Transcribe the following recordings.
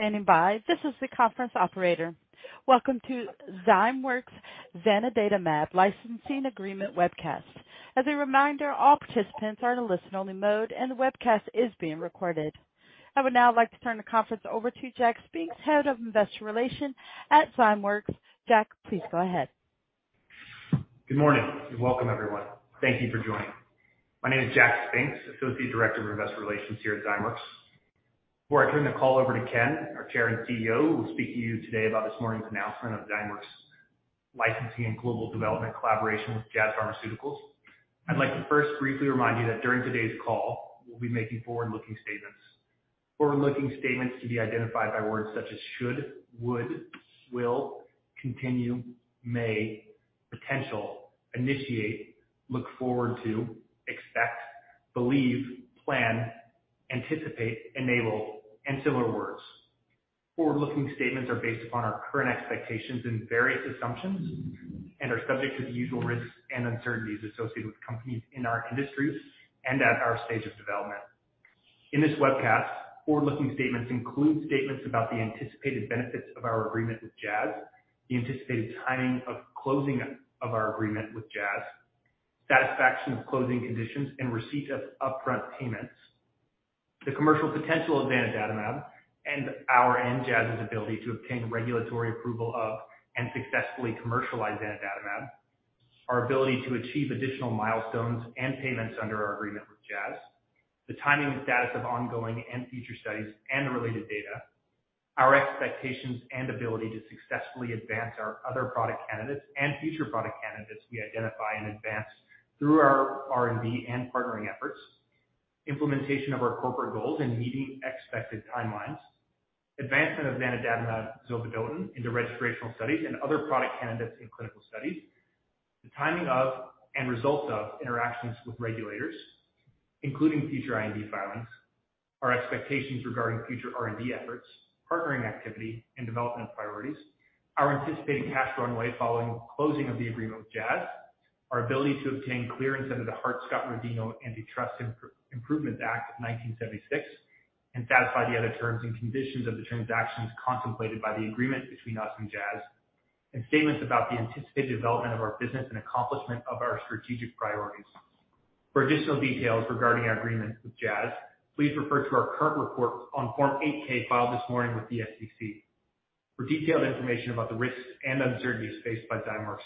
Standing by, this is the conference operator. Welcome to Zymeworks zanidatamab Licensing Agreement Webcast. As a reminder, all participants are in a listen-only mode, and the webcast is being recorded. I would now like to turn the conference over to Jack Spinks, Head of Investor Relations at Zymeworks. Jack, please go ahead. Good morning, and welcome, everyone. Thank you for joining. My name is Jack Spinks, Associate Director of Investor Relations here at Zymeworks. Before I turn the call over to Ken, our Chair and CEO, who will speak to you today about this morning's announcement of Zymeworks licensing and global development collaboration with Jazz Pharmaceuticals. I'd like to first briefly remind you that during today's call, we'll be making forward-looking statements. Forward-looking statements to be identified by words such as should, would, will, continue, may, potential, initiate, look forward to, expect, believe, plan, anticipate, enable, and similar words. Forward-looking statements are based upon our current expectations and various assumptions and are subject to the usual risks and uncertainties associated with companies in our industries and at our stage of development. In this webcast, forward-looking statements include statements about the anticipated benefits of our agreement with Jazz, the anticipated timing of closing of our agreement with Jazz, satisfaction of closing conditions and receipt of upfront payments, the commercial potential of zanidatamab, and our and Jazz's ability to obtain regulatory approval of and successfully commercialize zanidatamab. Our ability to achieve additional milestones and payments under our agreement with Jazz. The timing and status of ongoing and future studies and the related data. Our expectations and ability to successfully advance our other product candidates and future product candidates we identify in advance through our R&D and partnering efforts. Implementation of our corporate goals and meeting expected timelines. Advancement of zanidatamab zovodotin into registrational studies and other product candidates in clinical studies. The timing of and results of interactions with regulators, including future IND filings. Our expectations regarding future R&D efforts, partnering activity and development priorities. Our anticipated cash runway following the closing of the agreement with Jazz. Our ability to obtain clearance under the Hart-Scott-Rodino Antitrust Improvements Act of 1976 and satisfy the other terms and conditions of the transactions contemplated by the agreement between us and Jazz. Statements about the anticipated development of our business and accomplishment of our strategic priorities. For additional details regarding our agreement with Jazz, please refer to our current report on Form 8-K filed this morning with the SEC. For detailed information about the risks and uncertainties faced by Zymeworks,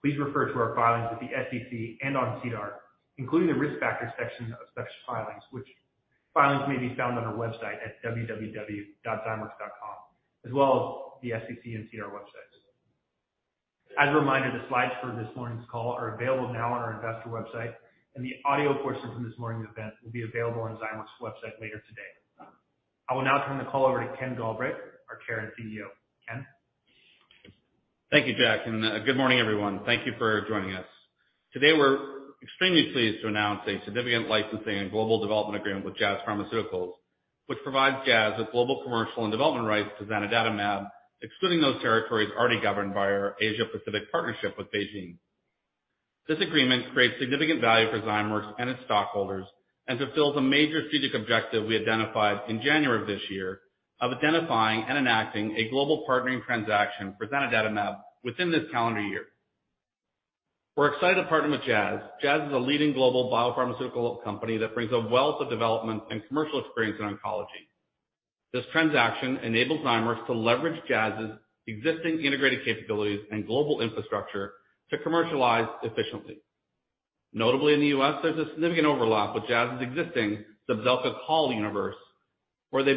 please refer to our filings with the SEC and on SEDAR, including the Risk Factors section of such filings, which filings may be found on our website at www.zymeworks.com, as well as the SEC and SEDAR websites. As a reminder, the slides for this morning's call are available now on our investor website, and the audio portion from this morning's event will be available on Zymeworks website later today. I will now turn the call over to Ken Galbraith, our Chair and CEO. Ken? Thank you, Jack, and good morning, everyone. Thank you for joining us. Today we're extremely pleased to announce a significant licensing and global development agreement with Jazz Pharmaceuticals, which provides Jazz with global commercial and development rights to zanidatamab, excluding those territories already governed by our Asia-Pacific partnership with BeiGene. This agreement creates significant value for Zymeworks and its stockholders and fulfills a major strategic objective we identified in January of this year of identifying and enacting a global partnering transaction for zanidatamab within this calendar year. We're excited to partner with Jazz. Jazz is a leading global biopharmaceutical company that brings a wealth of development and commercial experience in oncology. This transaction enables Zymeworks to leverage Jazz's existing integrated capabilities and global infrastructure to commercialize efficiently. Notably in the U.S., there's a significant overlap with Jazz's existing Xofigo universe, where they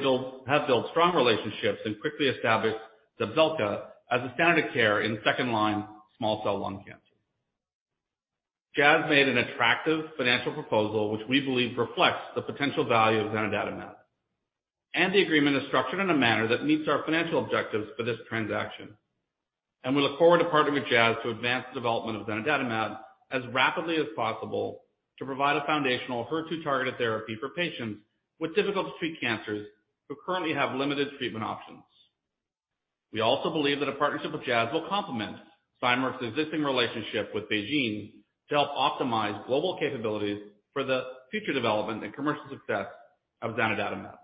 have built strong relationships and quickly established Xofigo as a standard of care in second-line small cell lung cancer. Jazz made an attractive financial proposal which we believe reflects the potential value of zanidatamab. The agreement is structured in a manner that meets our financial objectives for this transaction. We look forward to partnering with Jazz to advance the development of zanidatamab as rapidly as possible to provide a foundational HER2-targeted therapy for patients with difficult-to-treat cancers who currently have limited treatment options. We also believe that a partnership with Jazz will complement Zymeworks' existing relationship with BeiGene to help optimize global capabilities for the future development and commercial success of zanidatamab,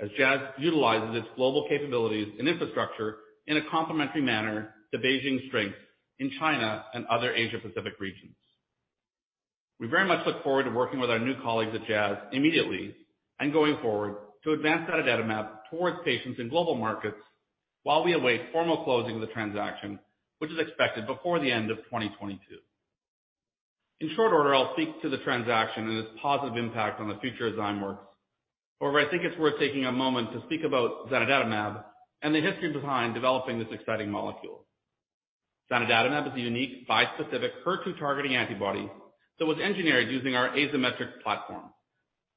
as Jazz utilizes its global capabilities and infrastructure in a complementary manner to BeiGene's strength in China and other Asia-Pacific regions. We very much look forward to working with our new colleagues at Jazz immediately and going forward to advance zanidatamab towards patients in global markets while we await formal closing of the transaction, which is expected before the end of 2022. In short order, I'll speak to the transaction and its positive impact on the future of Zymeworks. However, I think it's worth taking a moment to speak about zanidatamab and the history behind developing this exciting molecule. Zanidatamab is a unique bispecific HER2-targeting antibody that was engineered using our Azymetric platform.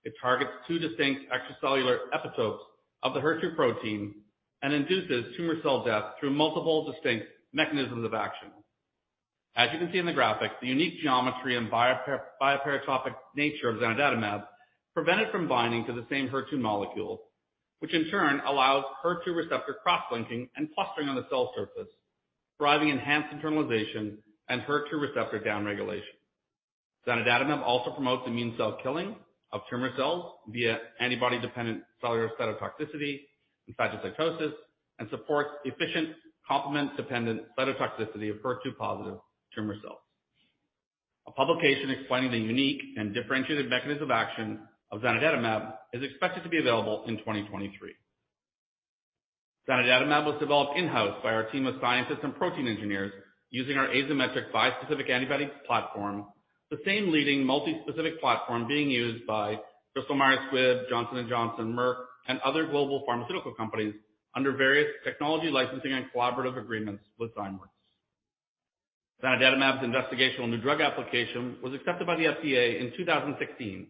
It targets two distinct extracellular epitopes of the HER2 protein and induces tumor cell death through multiple distinct mechanisms of action. As you can see in the graphic, the unique geometry and biparatopic nature of zanidatamab prevent it from binding to the same HER2 molecule, which in turn allows HER2 receptor cross-linking and clustering on the cell surface, driving enhanced internalization and HER2 receptor downregulation. Zanidatamab also promotes immune cell killing of tumor cells via antibody-dependent cellular cytotoxicity and phagocytosis, and supports efficient complement-dependent cytotoxicity of HER2-positive tumor cells. A publication explaining the unique and differentiated mechanism of action of zanidatamab is expected to be available in 2023. Zanidatamab was developed in-house by our team of scientists and protein engineers using our Azymetric bispecific antibody platform, the same leading multi-specific platform being used by Bristol Myers Squibb, Johnson & Johnson, Merck, and other global pharmaceutical companies under various technology licensing and collaborative agreements with Zymeworks. Zanidatamab's investigational new drug application was accepted by the FDA in 2016,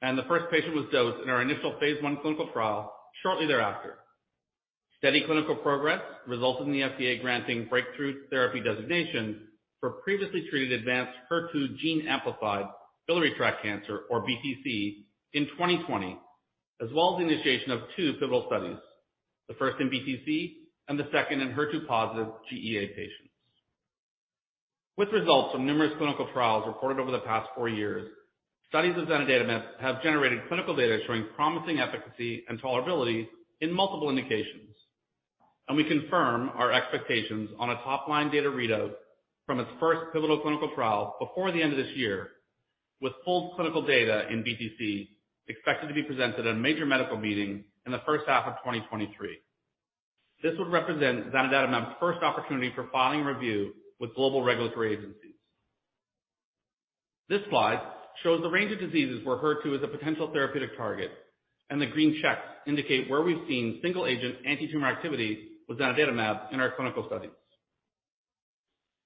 and the first patient was dosed in our initial phase one clinical trial shortly thereafter. Steady clinical progress resulted in the FDA granting breakthrough therapy designation for previously treated advanced HER2 gene amplified biliary tract cancer, or BTC, in 2020, as well as the initiation of two pivotal studies, the first in BTC and the second in HER2 positive GEA patients. With results from numerous clinical trials reported over the past four years, studies of zanidatamab have generated clinical data showing promising efficacy and tolerability in multiple indications. We confirm our expectations on a top-line data readout from its first pivotal clinical trial before the end of this year, with full clinical data in BTC expected to be presented at a major medical meeting in the first half of 2023. This would represent zanidatamab's first opportunity for filing review with global regulatory agencies. This slide shows the range of diseases where HER2 is a potential therapeutic target, and the green checks indicate where we've seen single agent antitumor activity with zanidatamab in our clinical studies.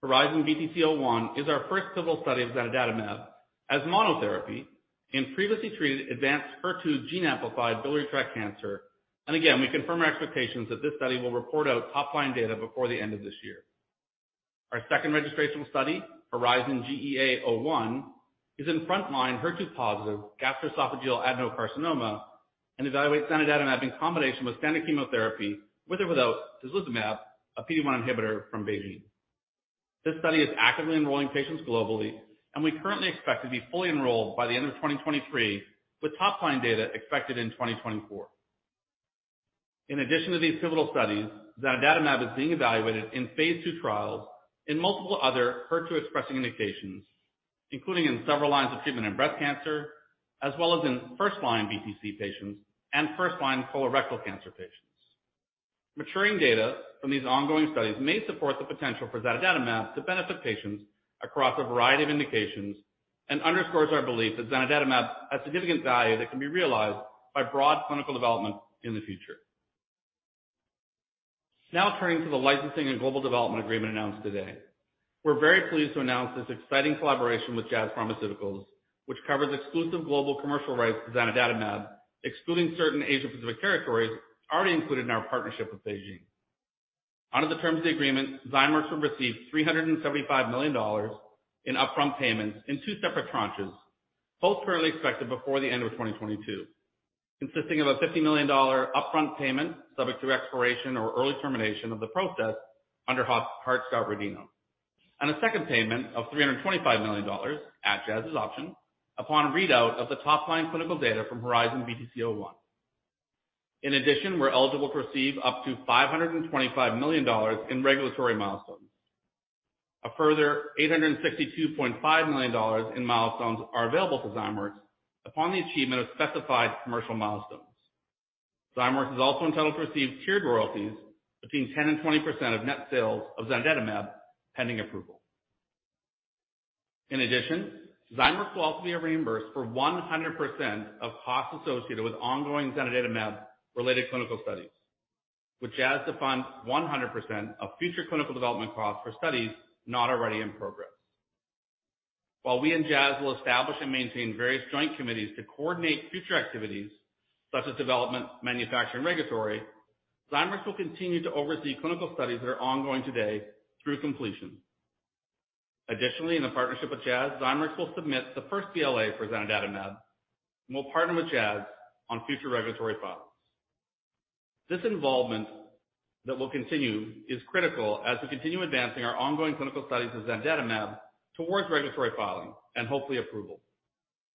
HERIZON-BTC-01 is our first pivotal study of zanidatamab as monotherapy in previously treated advanced HER2 gene amplified biliary tract cancer. Again, we confirm our expectations that this study will report out top-line data before the end of this year. Our second registrational study, HERIZON-GEA-01, is in first-line HER2-positive gastroesophageal adenocarcinoma and evaluates zanidatamab in combination with standard chemotherapy, with or without tislelizumab, a PD-1 inhibitor from BeiGene. This study is actively enrolling patients globally, and we currently expect to be fully enrolled by the end of 2023, with top-line data expected in 2024. In addition to these pivotal studies, zanidatamab is being evaluated in phase 2 trials in multiple other HER2-expressing indications, including in several lines of treatment in breast cancer, as well as in first-line BTC patients and first-line colorectal cancer patients. Maturing data from these ongoing studies may support the potential for zanidatamab to benefit patients across a variety of indications and underscores our belief that zanidatamab has significant value that can be realized by broad clinical development in the future. Now turning to the licensing and global development agreement announced today. We're very pleased to announce this exciting collaboration with Jazz Pharmaceuticals, which covers exclusive global commercial rights to zanidatamab, excluding certain Asia Pacific territories already included in our partnership with BeiGene. Under the terms of the agreement, Zymeworks will receive $375 million in upfront payments in two separate tranches, both currently expected before the end of 2022, consisting of a $50 million upfront payment subject to expiration or early termination of the process under Hart-Scott-Rodino, and a second payment of $325 million at Jazz's option upon readout of the top-line clinical data from HERIZON-BTC-01. In addition, we're eligible to receive up to $525 million in regulatory milestones. A further $862.5 million in milestones are available to Zymeworks upon the achievement of specified commercial milestones. Zymeworks is also entitled to receive tiered royalties between 10%-20% of net sales of zanidatamab, pending approval. In addition, Zymeworks will also be reimbursed for 100% of costs associated with ongoing zanidatamab-related clinical studies, with Jazz to fund 100% of future clinical development costs for studies not already in progress. While we and Jazz will establish and maintain various joint committees to coordinate future activities such as development, manufacturing, and regulatory, Zymeworks will continue to oversee clinical studies that are ongoing today through completion. Additionally, in the partnership with Jazz, Zymeworks will submit the first BLA for zanidatamab, and we'll partner with Jazz on future regulatory filings. This involvement that will continue is critical as we continue advancing our ongoing clinical studies of zanidatamab towards regulatory filing and hopefully approval,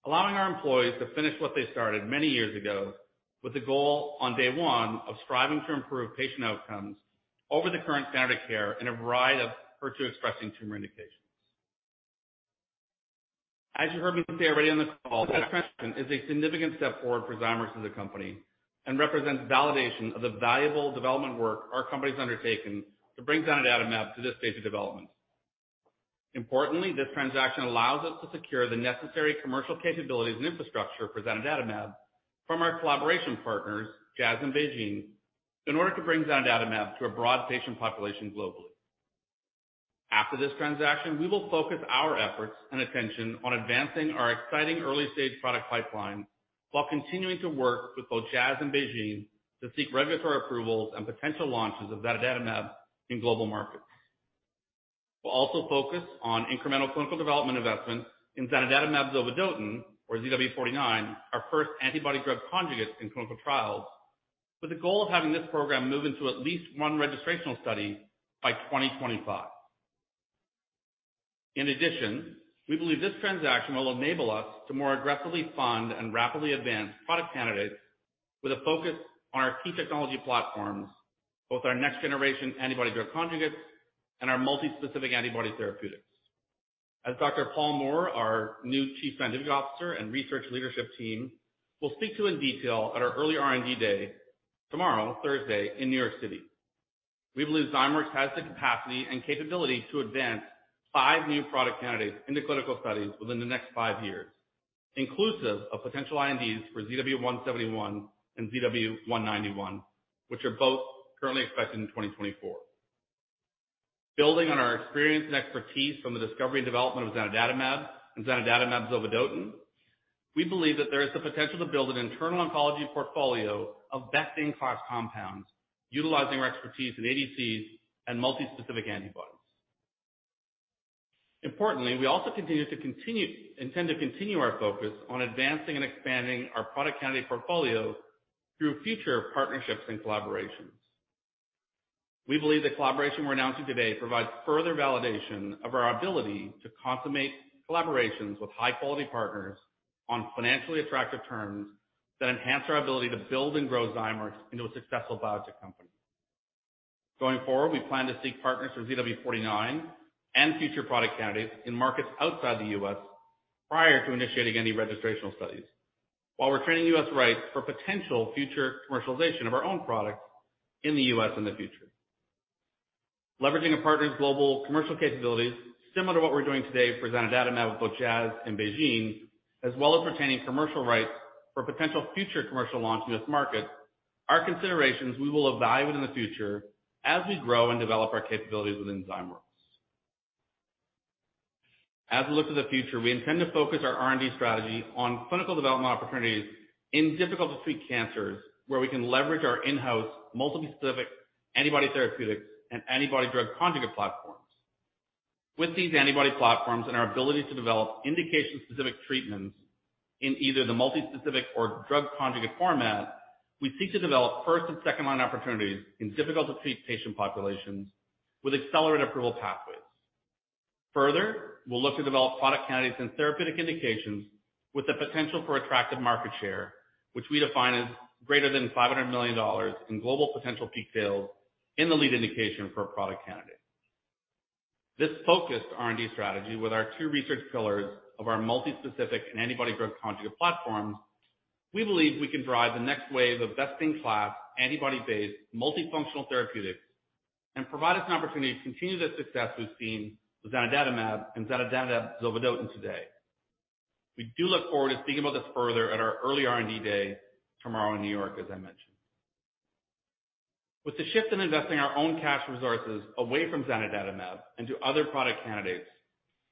allowing our employees to finish what they started many years ago with the goal on day one of striving to improve patient outcomes over the current standard of care in a variety of HER2-expressing tumor indications. As you heard me say already on this call, this transaction is a significant step forward for Zymeworks as a company and represents validation of the valuable development work our company's undertaken to bring zanidatamab to this stage of development. Importantly, this transaction allows us to secure the necessary commercial capabilities and infrastructure for zanidatamab from our collaboration partners, Jazz and BeiGene, in order to bring zanidatamab to a broad patient population globally. After this transaction, we will focus our efforts and attention on advancing our exciting early-stage product pipeline while continuing to work with both Jazz and BeiGene to seek regulatory approvals and potential launches of zanidatamab in global markets. We'll also focus on incremental clinical development investments in zanidatamab zovodotin, or ZW49, our first antibody-drug conjugate in clinical trials. With the goal of having this program move into at least one registrational study by 2025. In addition, we believe this transaction will enable us to more aggressively fund and rapidly advance product candidates with a focus on our key technology platforms, both our next generation antibody-drug conjugates and our multi-specific antibody therapeutics. As Dr. Paul Moore, our new Chief Scientific Officer and research leadership team, will speak to in detail at our early R&D day tomorrow, Thursday in New York City. We believe Zymeworks has the capacity and capability to advance five new product candidates into clinical studies within the next five years, inclusive of potential INDs for ZW171 and ZW191, which are both currently expected in 2024. Building on our experience and expertise from the discovery and development of zanidatamab and zanidatamab zovodotin, we believe that there is the potential to build an internal oncology portfolio of best-in-class compounds utilizing our expertise in ADCs and multi-specific antibodies. Importantly, we also intend to continue our focus on advancing and expanding our product candidate portfolio through future partnerships and collaborations. We believe the collaboration we're announcing today provides further validation of our ability to consummate collaborations with high quality partners on financially attractive terms that enhance our ability to build and grow Zymeworks into a successful biotech company. Going forward, we plan to seek partners for ZW49 and future product candidates in markets outside the U.S. prior to initiating any registrational studies, while retaining U.S. rights for potential future commercialization of our own products in the U.S. in the future. Leveraging a partner's global commercial capabilities, similar to what we're doing today for zanidatamab with Jazz and BeiGene, as well as retaining commercial rights for potential future commercial launch in this market, are considerations we will evaluate in the future as we grow and develop our capabilities within Zymeworks. We look to the future. We intend to focus our R&D strategy on clinical development opportunities in difficult to treat cancers where we can leverage our in-house multi-specific antibody therapeutics and antibody drug conjugate platforms. With these antibody platforms and our ability to develop indication-specific treatments in either the multi-specific or drug conjugate format, we seek to develop first and second line opportunities in difficult to treat patient populations with accelerated approval pathways. Further, we'll look to develop product candidates and therapeutic indications with the potential for attractive market share, which we define as greater than $500 million in global potential peak sales in the lead indication for a product candidate. This focused R&D strategy with our two research pillars of our multi-specific and antibody-drug conjugate platform, we believe we can drive the next wave of best-in-class, antibody-based multifunctional therapeutics and provide us an opportunity to continue the success we've seen with zanidatamab and zanidatamab zovodotin today. We do look forward to speaking about this further at our early R&D day tomorrow in New York, as I mentioned. With the shift in investing our own cash resources away from zanidatamab into other product candidates,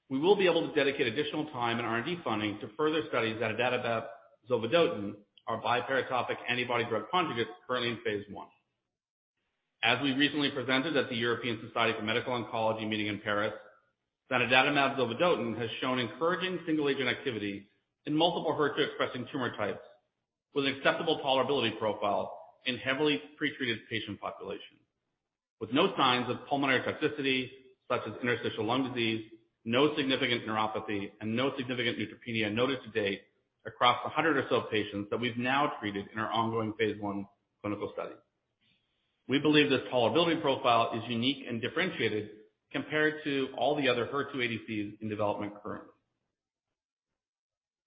we will be able to dedicate additional time and R&D funding to further study zanidatamab zovodotin, our bispecific antibody drug conjugates currently in phase 1. As we recently presented at the European Society for Medical Oncology meeting in Paris, zanidatamab zovodotin has shown encouraging single agent activity in multiple HER2 expressing tumor types with an acceptable tolerability profile in heavily pre-treated patient populations. With no signs of pulmonary toxicity such as interstitial lung disease, no significant neuropathy, and no significant neutropenia noted to date across 100 or so patients that we've now treated in our ongoing phase 1 clinical study. We believe this tolerability profile is unique and differentiated compared to all the other HER2 ADCs in development currently.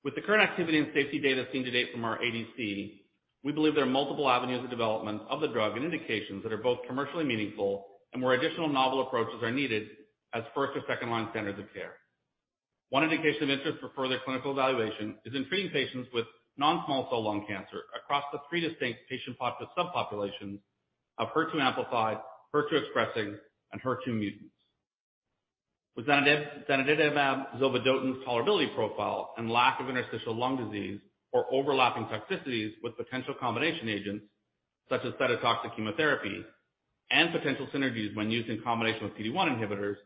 With the current activity and safety data seen to date from our ADC, we believe there are multiple avenues of development of the drug and indications that are both commercially meaningful and where additional novel approaches are needed as first or second line standards of care. One indication of interest for further clinical evaluation is in treating patients with non-small cell lung cancer across the three distinct patient subpopulations of HER2 amplified, HER2 expressing, and HER2 mutants. With zanidatamab zovodotin’s tolerability profile and lack of interstitial lung disease or overlapping toxicities with potential combination agents such as cytotoxic chemotherapy and potential synergies when used in combination with PD-1 inhibitors,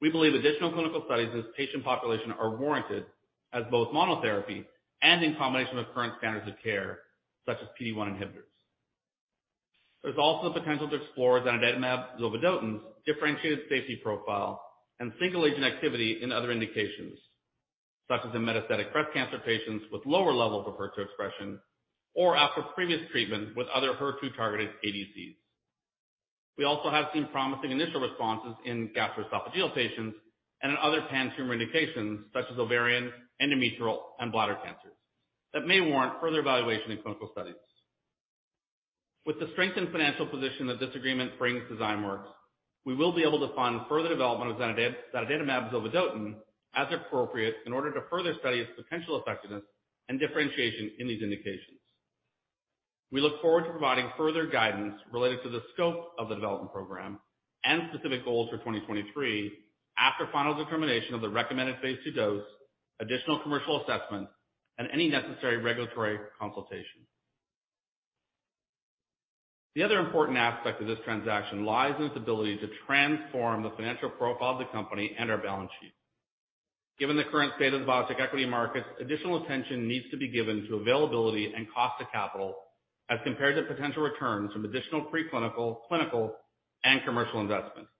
we believe additional clinical studies in this patient population are warranted as both monotherapy and in combination with current standards of care such as PD-1 inhibitors. There's also the potential to explore zanidatamab zovodotin's differentiated safety profile and single agent activity in other indications, such as in metastatic breast cancer patients with lower levels of HER2 expression or after previous treatments with other HER2-targeted ADCs. We also have seen promising initial responses in gastroesophageal patients and in other pan-tumor indications such as ovarian, endometrial, and bladder cancers that may warrant further evaluation in clinical studies. With the strengthened financial position that this agreement brings to Zymeworks, we will be able to fund further development of zanidatamab zovodotin as appropriate in order to further study its potential effectiveness and differentiation in these indications. We look forward to providing further guidance related to the scope of the development program and specific goals for 2023 after final determination of the recommended phase 2 dose, additional commercial assessments, and any necessary regulatory consultation. The other important aspect of this transaction lies in its ability to transform the financial profile of the company and our balance sheet. Given the current state of the biotech equity markets, additional attention needs to be given to availability and cost of capital as compared to potential returns from additional pre-clinical, clinical, and commercial investments.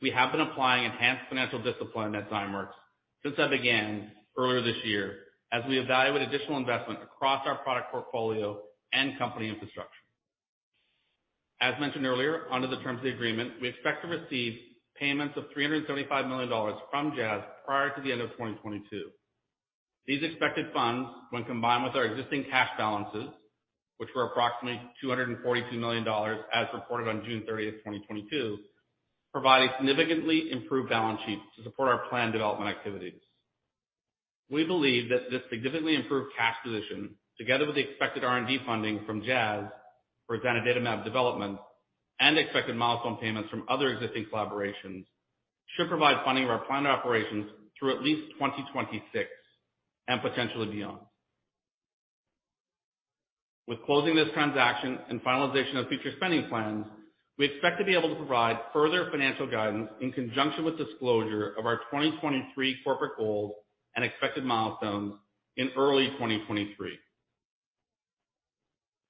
We have been applying enhanced financial discipline at Zymeworks since I began earlier this year as we evaluate additional investment across our product portfolio and company infrastructure. As mentioned earlier, under the terms of the agreement, we expect to receive payments of $375 million from Jazz prior to the end of 2022. These expected funds, when combined with our existing cash balances, which were approximately $242 million as reported on June 30th, 2022, provide a significantly improved balance sheet to support our planned development activities. We believe that this significantly improved cash position, together with the expected R&D funding from Jazz for zanidatamab development and expected milestone payments from other existing collaborations, should provide funding of our planned operations through at least 2026 and potentially beyond. With closing this transaction and finalization of future spending plans, we expect to be able to provide further financial guidance in conjunction with disclosure of our 2023 corporate goals and expected milestones in early 2023.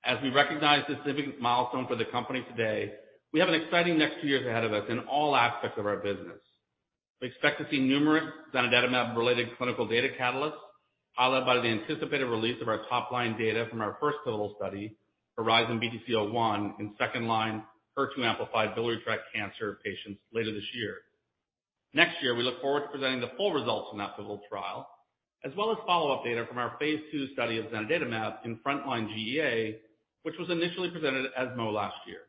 As we recognize this significant milestone for the company today, we have an exciting next few years ahead of us in all aspects of our business. We expect to see numerous zanidatamab-related clinical data catalysts, followed by the anticipated release of our top-line data from our first pivotal study, HERIZON-BTC-01, in second-line HER2-amplified biliary tract cancer patients later this year. Next year, we look forward to presenting the full results from that pivotal trial, as well as follow-up data from our phase two study of zanidatamab in frontline GEA, which was initially presented at ESMO last year.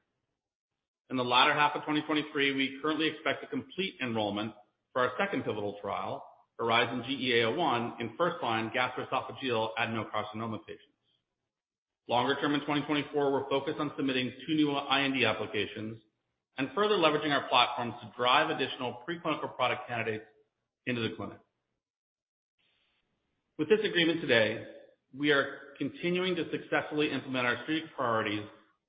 In the latter half of 2023, we currently expect to complete enrollment for our second pivotal trial, HERIZON-GEA-01, in first-line gastroesophageal adenocarcinoma patients. Longer term, in 2024, we're focused on submitting two new IND applications and further leveraging our platforms to drive additional pre-clinical product candidates into the clinic. With this agreement today, we are continuing to successfully implement our strategic priorities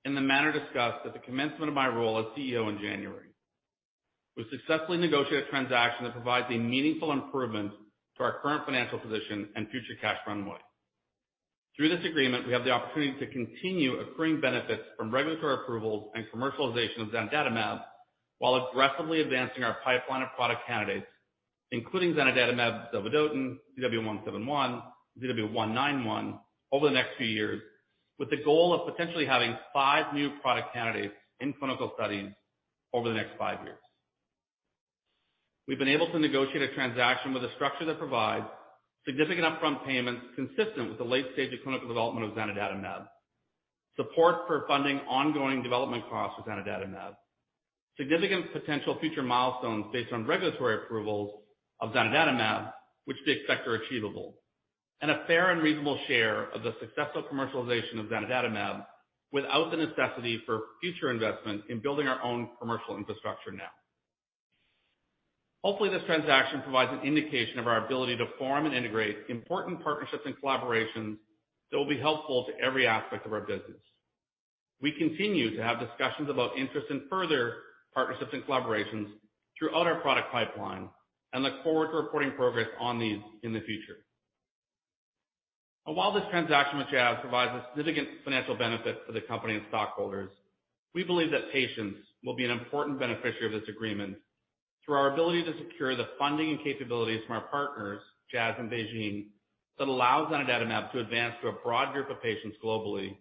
in the manner discussed at the commencement of my role as CEO in January. We successfully negotiated a transaction that provides a meaningful improvement to our current financial position and future cash runway. Through this agreement, we have the opportunity to continue accruing benefits from regulatory approvals and commercialization of zanidatamab while aggressively advancing our pipeline of product candidates, including zanidatamab, zovodotin, ZW171, ZW191 over the next few years, with the goal of potentially having five new product candidates in clinical studies over the next five years. We've been able to negotiate a transaction with a structure that provides significant upfront payments consistent with the late stage of clinical development of zanidatamab, support for funding ongoing development costs of zanidatamab, significant potential future milestones based on regulatory approvals of zanidatamab, which we expect are achievable, and a fair and reasonable share of the successful commercialization of zanidatamab without the necessity for future investment in building our own commercial infrastructure now. Hopefully, this transaction provides an indication of our ability to form and integrate important partnerships and collaborations that will be helpful to every aspect of our business. We continue to have discussions about interest in further partnerships and collaborations throughout our product pipeline and look forward to reporting progress on these in the future. While this transaction with Jazz provides a significant financial benefit for the company and stockholders, we believe that patients will be an important beneficiary of this agreement through our ability to secure the funding and capabilities from our partners, Jazz and BeiGene, that allow zanidatamab to advance to a broad group of patients globally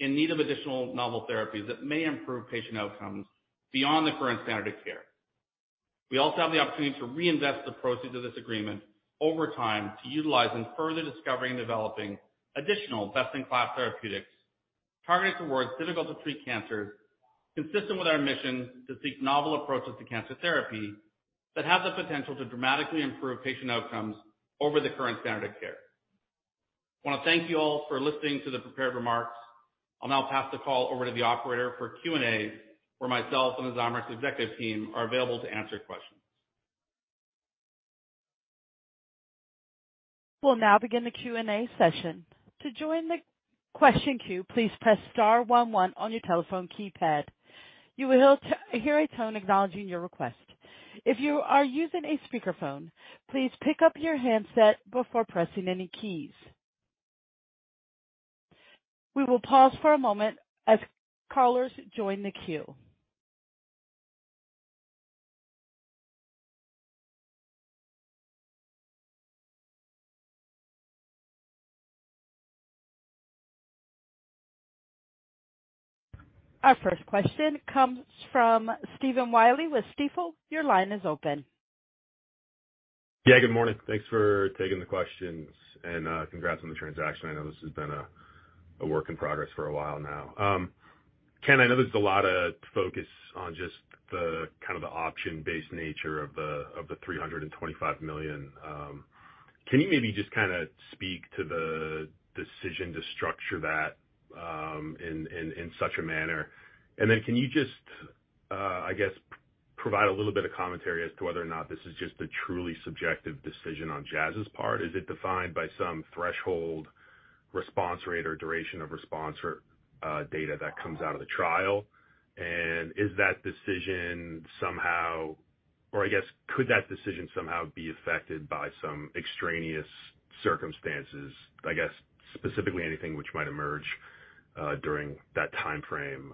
in need of additional novel therapies that may improve patient outcomes beyond the current standard of care. We also have the opportunity to reinvest the proceeds of this agreement over time to utilize in further discovering and developing additional best-in-class therapeutics targeted towards difficult-to-treat cancers consistent with our mission to seek novel approaches to cancer therapy that have the potential to dramatically improve patient outcomes over the current standard of care. I want to thank you all for listening to the prepared remarks. I'll now pass the call over to the operator for Q&A, where myself and the Zymeworks executive team are available to answer questions. We'll now begin the Q&A session. To join the question queue, please press star one one on your telephone keypad. You will hear a tone acknowledging your request. If you are using a speakerphone, please pick up your handset before pressing any keys. We will pause for a moment as callers join the queue. Our first question comes from Stephen Willey with Stifel. Your line is open. Yeah, good morning. Thanks for taking the questions, and congrats on the transaction. I know this has been a work in progress for a while now. Ken, I know there's a lot of focus on just the kind of option-based nature of the $325 million. Can you maybe just kinda speak to the decision to structure that in such a manner? Then can you just, I guess, provide a little bit of commentary as to whether or not this is just a truly subjective decision on Jazz's part? Is it defined by some threshold response rate or duration of response data that comes out of the trial? Is that decision somehow, or I guess, could that decision somehow be affected by some extraneous circumstances? I guess specifically anything which might emerge during that time frame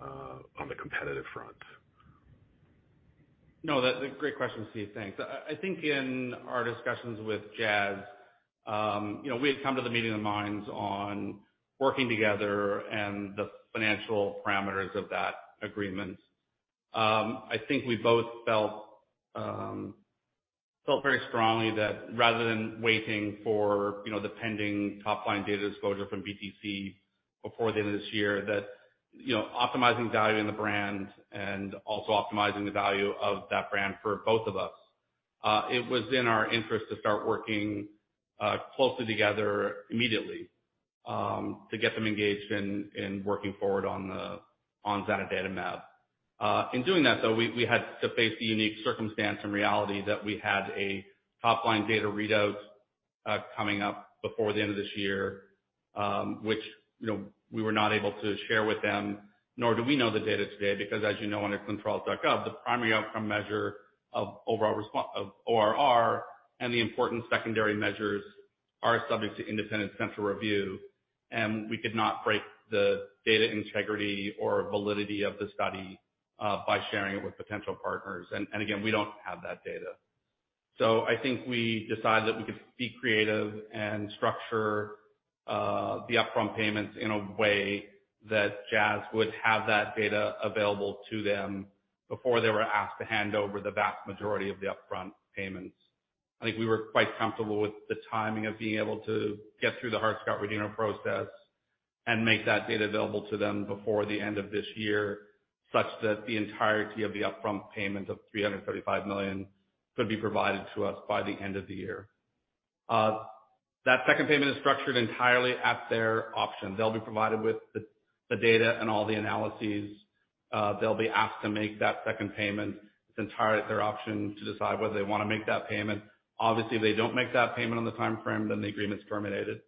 on the competitive front. No, that's a great question, Steve. Thanks. I think in our discussions with Jazz, you know, we had come to the meeting of minds on working together and the financial parameters of that agreement. I think we both felt very strongly that rather than waiting for, you know, the pending top line data disclosure from BTC before the end of this year, optimizing value in the brand and also optimizing the value of that brand for both of us, it was in our interest to start working closely together immediately, to get them engaged in working forward on the zanidatamab. In doing that though, we had to face the unique circumstance and reality that we had a top line data readout coming up before the end of this year, which, you know, we were not able to share with them, nor do we know the data today. Because as you know, under ClinicalTrials.gov, the primary outcome measure of ORR and the important secondary measures are subject to independent central review, and we could not break the data integrity or validity of the study by sharing it with potential partners. Again, we don't have that data. I think we decided that we could be creative and structure the upfront payments in a way that Jazz would have that data available to them before they were asked to hand over the vast majority of the upfront payments. I think we were quite comfortable with the timing of being able to get through the Hart-Scott-Rodino process and make that data available to them before the end of this year, such that the entirety of the upfront payment of $335 million could be provided to us by the end of the year. That second payment is structured entirely at their option. They'll be provided with the data and all the analyses. They'll be asked to make that second payment. It's entirely at their option to decide whether they wanna make that payment. Obviously, if they don't make that payment on the timeframe, then the agreement's terminated.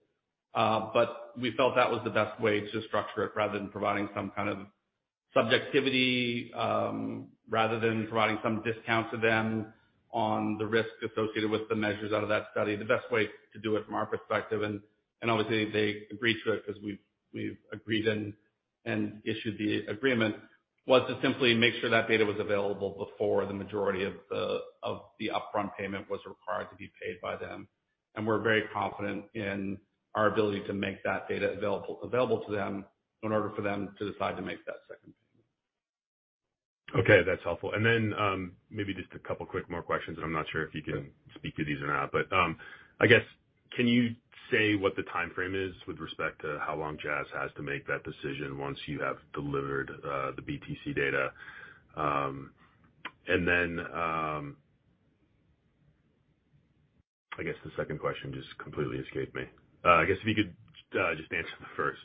We felt that was the best way to structure it, rather than providing some discount to them on the risk associated with the measures out of that study. The best way to do it from our perspective, and obviously they agreed to it 'cause we agreed and issued the agreement, was to simply make sure that data was available before the majority of the upfront payment was required to be paid by them. We're very confident in our ability to make that data available to them in order for them to decide to make that second payment. Okay, that's helpful. Maybe just a couple more quick questions, and I'm not sure if you can speak to these or not. I guess, can you say what the timeframe is with respect to how long Jazz has to make that decision once you have delivered the BTC data? I guess the second question just completely escaped me. I guess if you could just answer the first.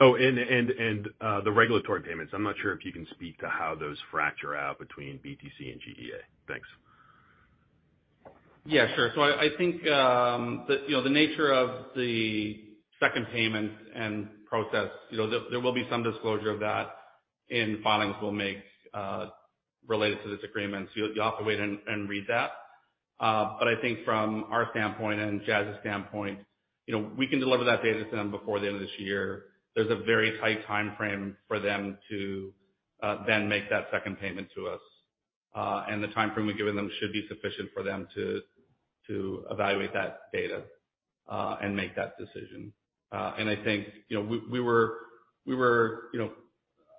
Oh, and the regulatory payments, I'm not sure if you can speak to how those break out between BTC and GEA. Thanks. Yeah, sure. I think the nature of the second payment and process, you know, there will be some disclosure of that in filings we'll make related to this agreement. You'll have to wait and read that. I think from our standpoint and Jazz's standpoint, you know, we can deliver that data to them before the end of this year. There's a very tight timeframe for them to then make that second payment to us. The timeframe we've given them should be sufficient for them to evaluate that data and make that decision. I think, you know, we were.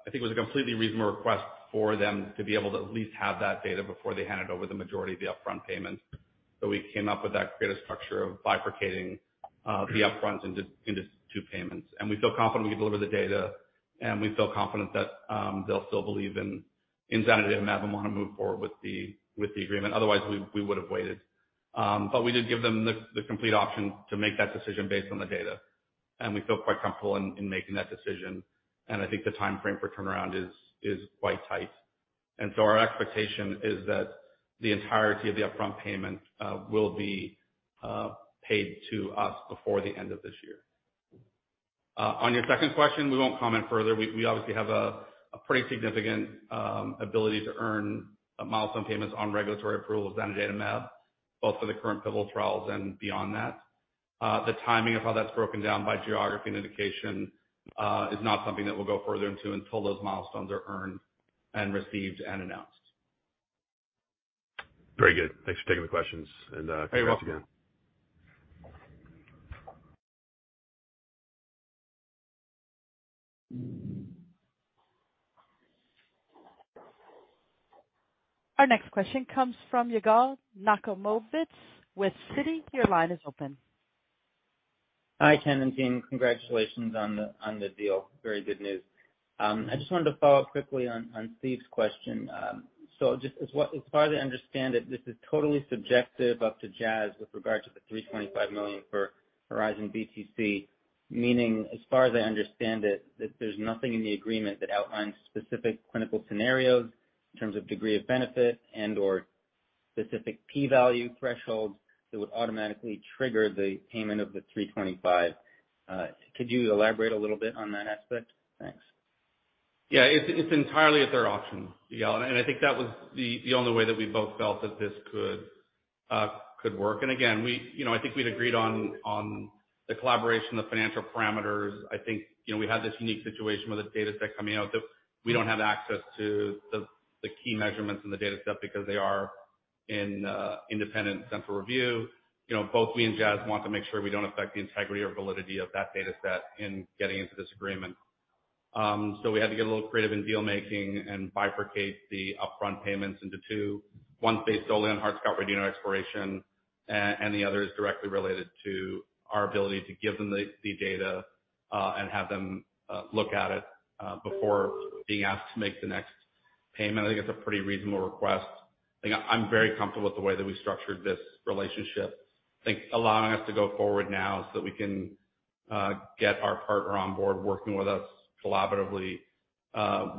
I think it was a completely reasonable request for them to be able to at least have that data before they handed over the majority of the upfront payment. We came up with that creative structure of bifurcating the upfront into two payments. We feel confident we can deliver the data, and we feel confident that they'll still believe in zanidatamab and wanna move forward with the agreement. Otherwise, we would've waited. We did give them the complete option to make that decision based on the data, and we feel quite comfortable in making that decision. I think the timeframe for turnaround is quite tight. Our expectation is that the entirety of the upfront payment will be paid to us before the end of this year. On your second question, we won't comment further. We obviously have a pretty significant ability to earn milestone payments on regulatory approval of zanidatamab, both for the current pivotal trials and beyond that. The timing of how that's broken down by geography and indication is not something that we'll go further into until those milestones are earned and received and announced. Very good. Thanks for taking the questions. Congrats again. Very welcome. Our next question comes from Yigal Nochomovitz with Citi. Your line is open. Hi, Ken and team. Congratulations on the deal. Very good news. I just wanted to follow up quickly on Steve's question. As far as I understand it, this is totally subjective up to Jazz with regard to the $325 million for HERIZON-BTC-01. Meaning, as far as I understand it, that there's nothing in the agreement that outlines specific clinical scenarios in terms of degree of benefit and/or specific P value threshold that would automatically trigger the payment of the $325 million. Could you elaborate a little bit on that aspect? Thanks. Yeah, it's entirely at their option. Yeah, I think that was the only way that we both felt that this could work. Again, we, you know, I think we'd agreed on the collaboration, the financial parameters. I think, you know, we had this unique situation where this data set coming out that we don't have access to the key measurements in the data set because they are in independent central review. You know, both me and Jazz want to make sure we don't affect the integrity or validity of that data set in getting into this agreement. We had to get a little creative in deal-making and bifurcate the upfront payments into two, one based solely on Hart-Scott-Rodino, and the other is directly related to our ability to give them the data and have them look at it before being asked to make the next payment. I think it's a pretty reasonable request. I'm very comfortable with the way that we structured this relationship. I think allowing us to go forward now so we can get our partner on board working with us collaboratively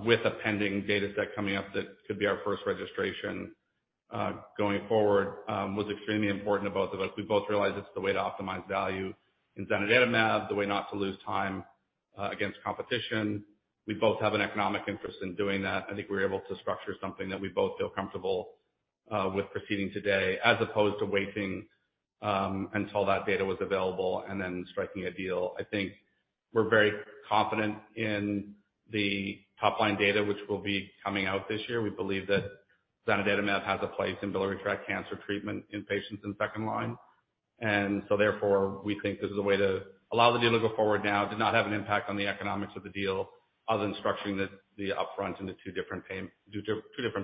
with a pending data set coming up that could be our first registration going forward was extremely important to both of us. We both realize it's the way to optimize value in zanidatamab, the way not to lose time against competition. We both have an economic interest in doing that. I think we're able to structure something that we both feel comfortable with proceeding today as opposed to waiting until that data was available and then striking a deal. I think we're very confident in the top-line data which will be coming out this year. We believe that zanidatamab has a place in biliary tract cancer treatment in patients in second line. Therefore, we think this is a way to allow the deal to go forward now. Did not have an impact on the economics of the deal other than structuring the upfront into two different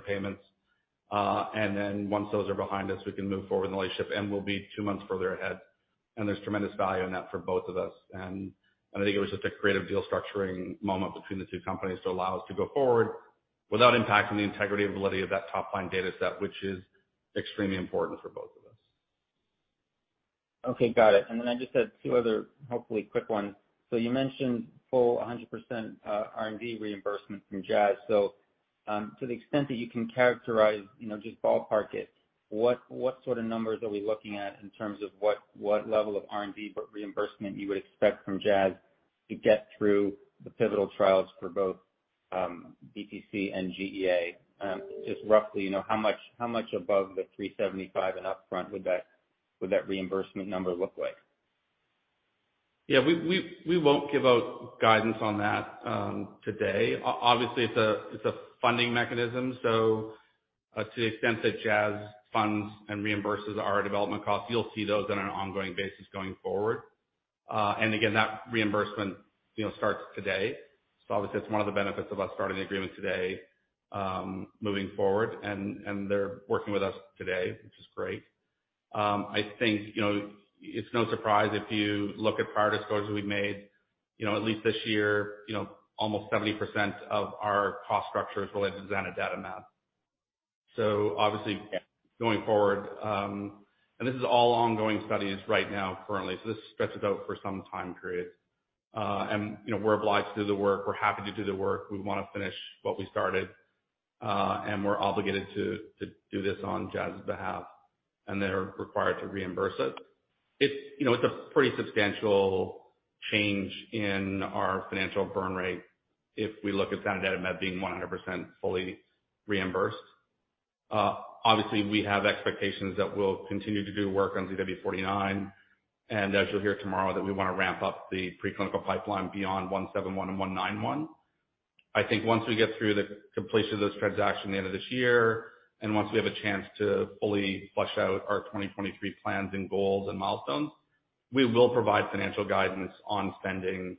payments. Then once those are behind us, we can move forward in the relationship and we'll be two months further ahead. There's tremendous value in that for both of us. I think it was just a creative deal structuring moment between the two companies to allow us to go forward without impacting the integrity or validity of that top-line data set, which is extremely important for both of us. Okay. Got it. I just had two other hopefully quick ones. You mentioned full 100% R&D reimbursement from Jazz. To the extent that you can characterize, you know, just ballpark it, what sort of numbers are we looking at in terms of what level of R&D reimbursement you would expect from Jazz to get through the pivotal trials for both, BTC and GEA? Just roughly, you know, how much above the $375 and upfront would that reimbursement number look like? Yeah. We won't give out guidance on that today. Obviously, it's a funding mechanism, so to the extent that Jazz funds and reimburses our development costs, you'll see those on an ongoing basis going forward. Again, that reimbursement, you know, starts today. Obviously that's one of the benefits of us starting the agreement today, moving forward. They're working with us today, which is great. I think, you know, it's no surprise if you look at prior disclosures we've made, you know, at least this year, you know, almost 70% of our cost structure is related to zanidatamab. Obviously going forward, and this is all ongoing studies right now currently, so this stretches out for some time period. You know, we're obliged to do the work. We're happy to do the work. We want to finish what we started, and we're obligated to do this on Jazz's behalf, and they're required to reimburse it. It's, you know, a pretty substantial change in our financial burn rate if we look at zanidatamab being 100% fully reimbursed. Obviously, we have expectations that we'll continue to do work on ZW49, and as you'll hear tomorrow, we want to ramp up the preclinical pipeline beyond 171 and 191. I think once we get through the completion of this transaction at the end of this year, and once we have a chance to fully flesh out our 2023 plans and goals and milestones, we will provide financial guidance on spending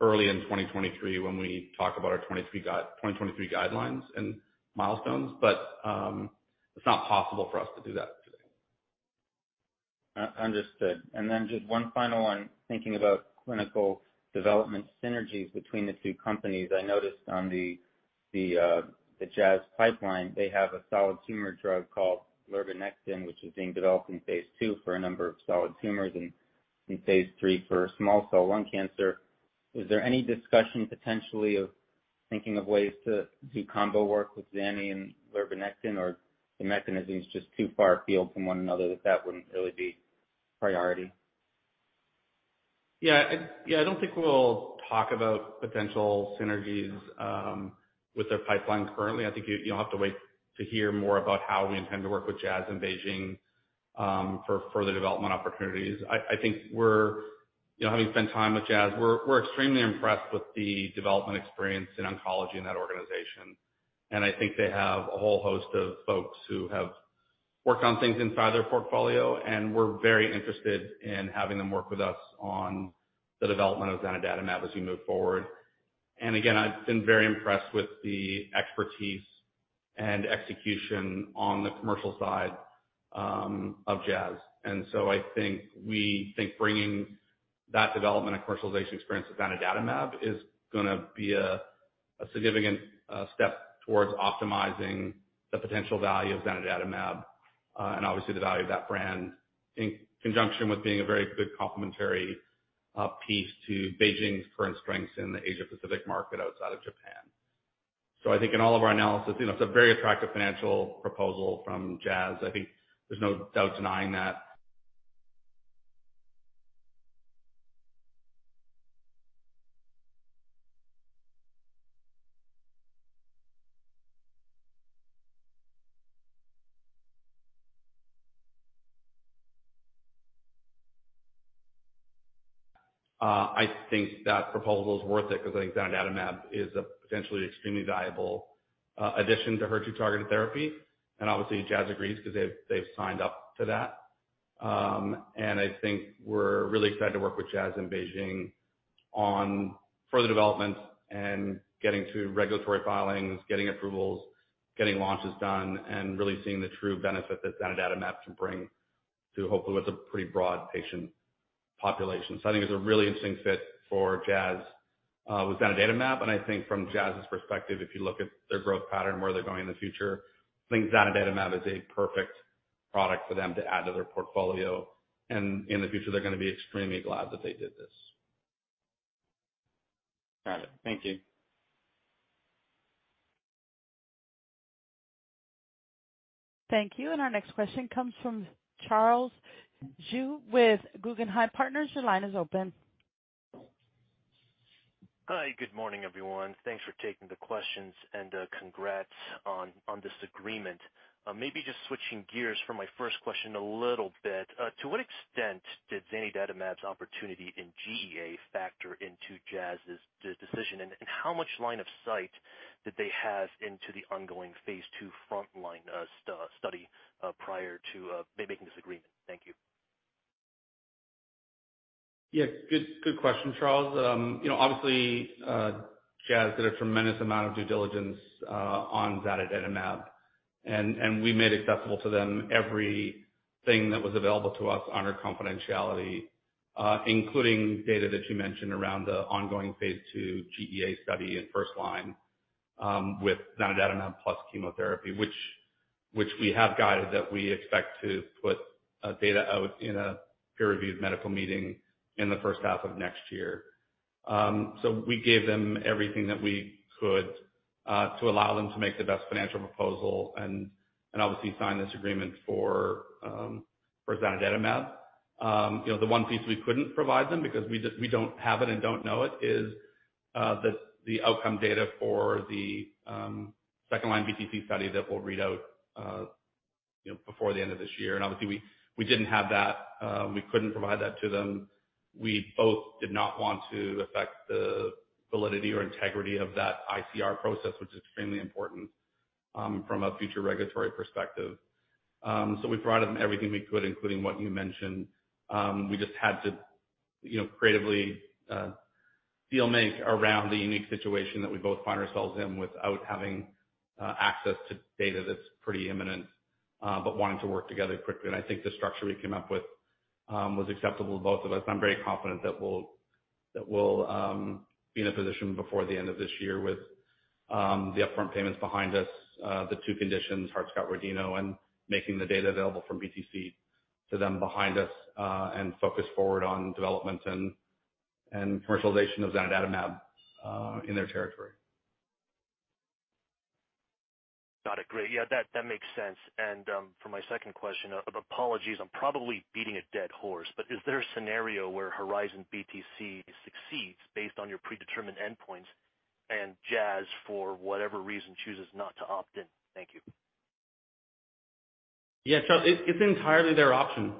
early in 2023 when we talk about our 2023 guidelines and milestones. It's not possible for us to do that today. Understood. Just one final one. Thinking about clinical development synergies between the two companies. I noticed on the Jazz pipeline, they have a solid tumor drug called rilvegostomig, which is being developed in phase 2 for a number of solid tumors and in phase 3 for small cell lung cancer. Is there any discussion potentially of thinking of ways to do combo work with zanidatamab and rilvegostomig, or the mechanism's just too far afield from one another that wouldn't really be priority? Yeah. I don't think we'll talk about potential synergies with their pipeline currently. I think you'll have to wait to hear more about how we intend to work with Jazz and BeiGene for further development opportunities. I think we're you know, having spent time with Jazz, we're extremely impressed with the development experience in oncology in that organization. I think they have a whole host of folks who have worked on things inside their portfolio, and we're very interested in having them work with us on the development of zanidatamab as we move forward. Again, I've been very impressed with the expertise and execution on the commercial side of Jazz. I think we think bringing that development and commercialization experience with zanidatamab is gonna be a significant step towards optimizing the potential value of zanidatamab, and obviously the value of that brand in conjunction with being a very good complementary piece to BeiGene's current strengths in the Asia Pacific market outside of Japan. I think in all of our analysis, you know, it's a very attractive financial proposal from Jazz. I think there's no doubt denying that. I think that proposal is worth it because I think zanidatamab is a potentially extremely valuable addition to HER2-targeted therapy, and obviously Jazz agrees because they've signed up for that. I think we're really excited to work with Jazz in BeiGene on further development and getting to regulatory filings, getting approvals, getting launches done, and really seeing the true benefit that zanidatamab can bring to hopefully what's a pretty broad patient population. I think it's a really interesting fit for Jazz, with zanidatamab, and I think from Jazz's perspective, if you look at their growth pattern, where they're going in the future, I think zanidatamab is a perfect product for them to add to their portfolio. In the future, they're gonna be extremely glad that they did this. Got it. Thank you. Our next question comes from Charles Zhu with Guggenheim Partners. Your line is open. Hi. Good morning, everyone. Thanks for taking the questions and, congrats on this agreement. Maybe just switching gears for my first question a little bit. To what extent did zanidatamab's opportunity in GEA factor into Jazz's decision, and how much line of sight did they have into the ongoing phase two frontline study prior to they making this agreement? Thank you. Yeah, good question, Charles. You know, obviously, Jazz did a tremendous amount of due diligence on zanidatamab. We made accessible to them everything that was available to us under confidentiality, including data that you mentioned around the ongoing phase 2 GEA study in first-line with zanidatamab plus chemotherapy, which we have guided that we expect to put data out in a peer-reviewed medical meeting in the first half of next year. We gave them everything that we could to allow them to make the best financial proposal and obviously sign this agreement for zanidatamab. You know, the one piece we couldn't provide them because we don't have it and don't know it is the outcome data for the second line BTC study that we'll read out you know before the end of this year. Obviously we didn't have that. We couldn't provide that to them. We both did not want to affect the validity or integrity of that ICR process, which is extremely important from a future regulatory perspective. We provided them everything we could, including what you mentioned. We just had to you know creatively deal make around the unique situation that we both find ourselves in without having access to data that's pretty imminent but wanting to work together quickly. I think the structure we came up with was acceptable to both of us, and I'm very confident that we'll be in a position before the end of this year with the upfront payments behind us, the two conditions, Hart-Scott-Rodino, and making the data available from BTC to them behind us, and focus forward on development and commercialization of zanidatamab in their territory. Got it. Great. Yeah, that makes sense. For my second question, apologies, I'm probably beating a dead horse, but is there a scenario where HERIZON-BTC-01 succeeds based on your predetermined endpoints and Jazz, for whatever reason, chooses not to opt in? Thank you. Yeah, Charles, it's entirely their option.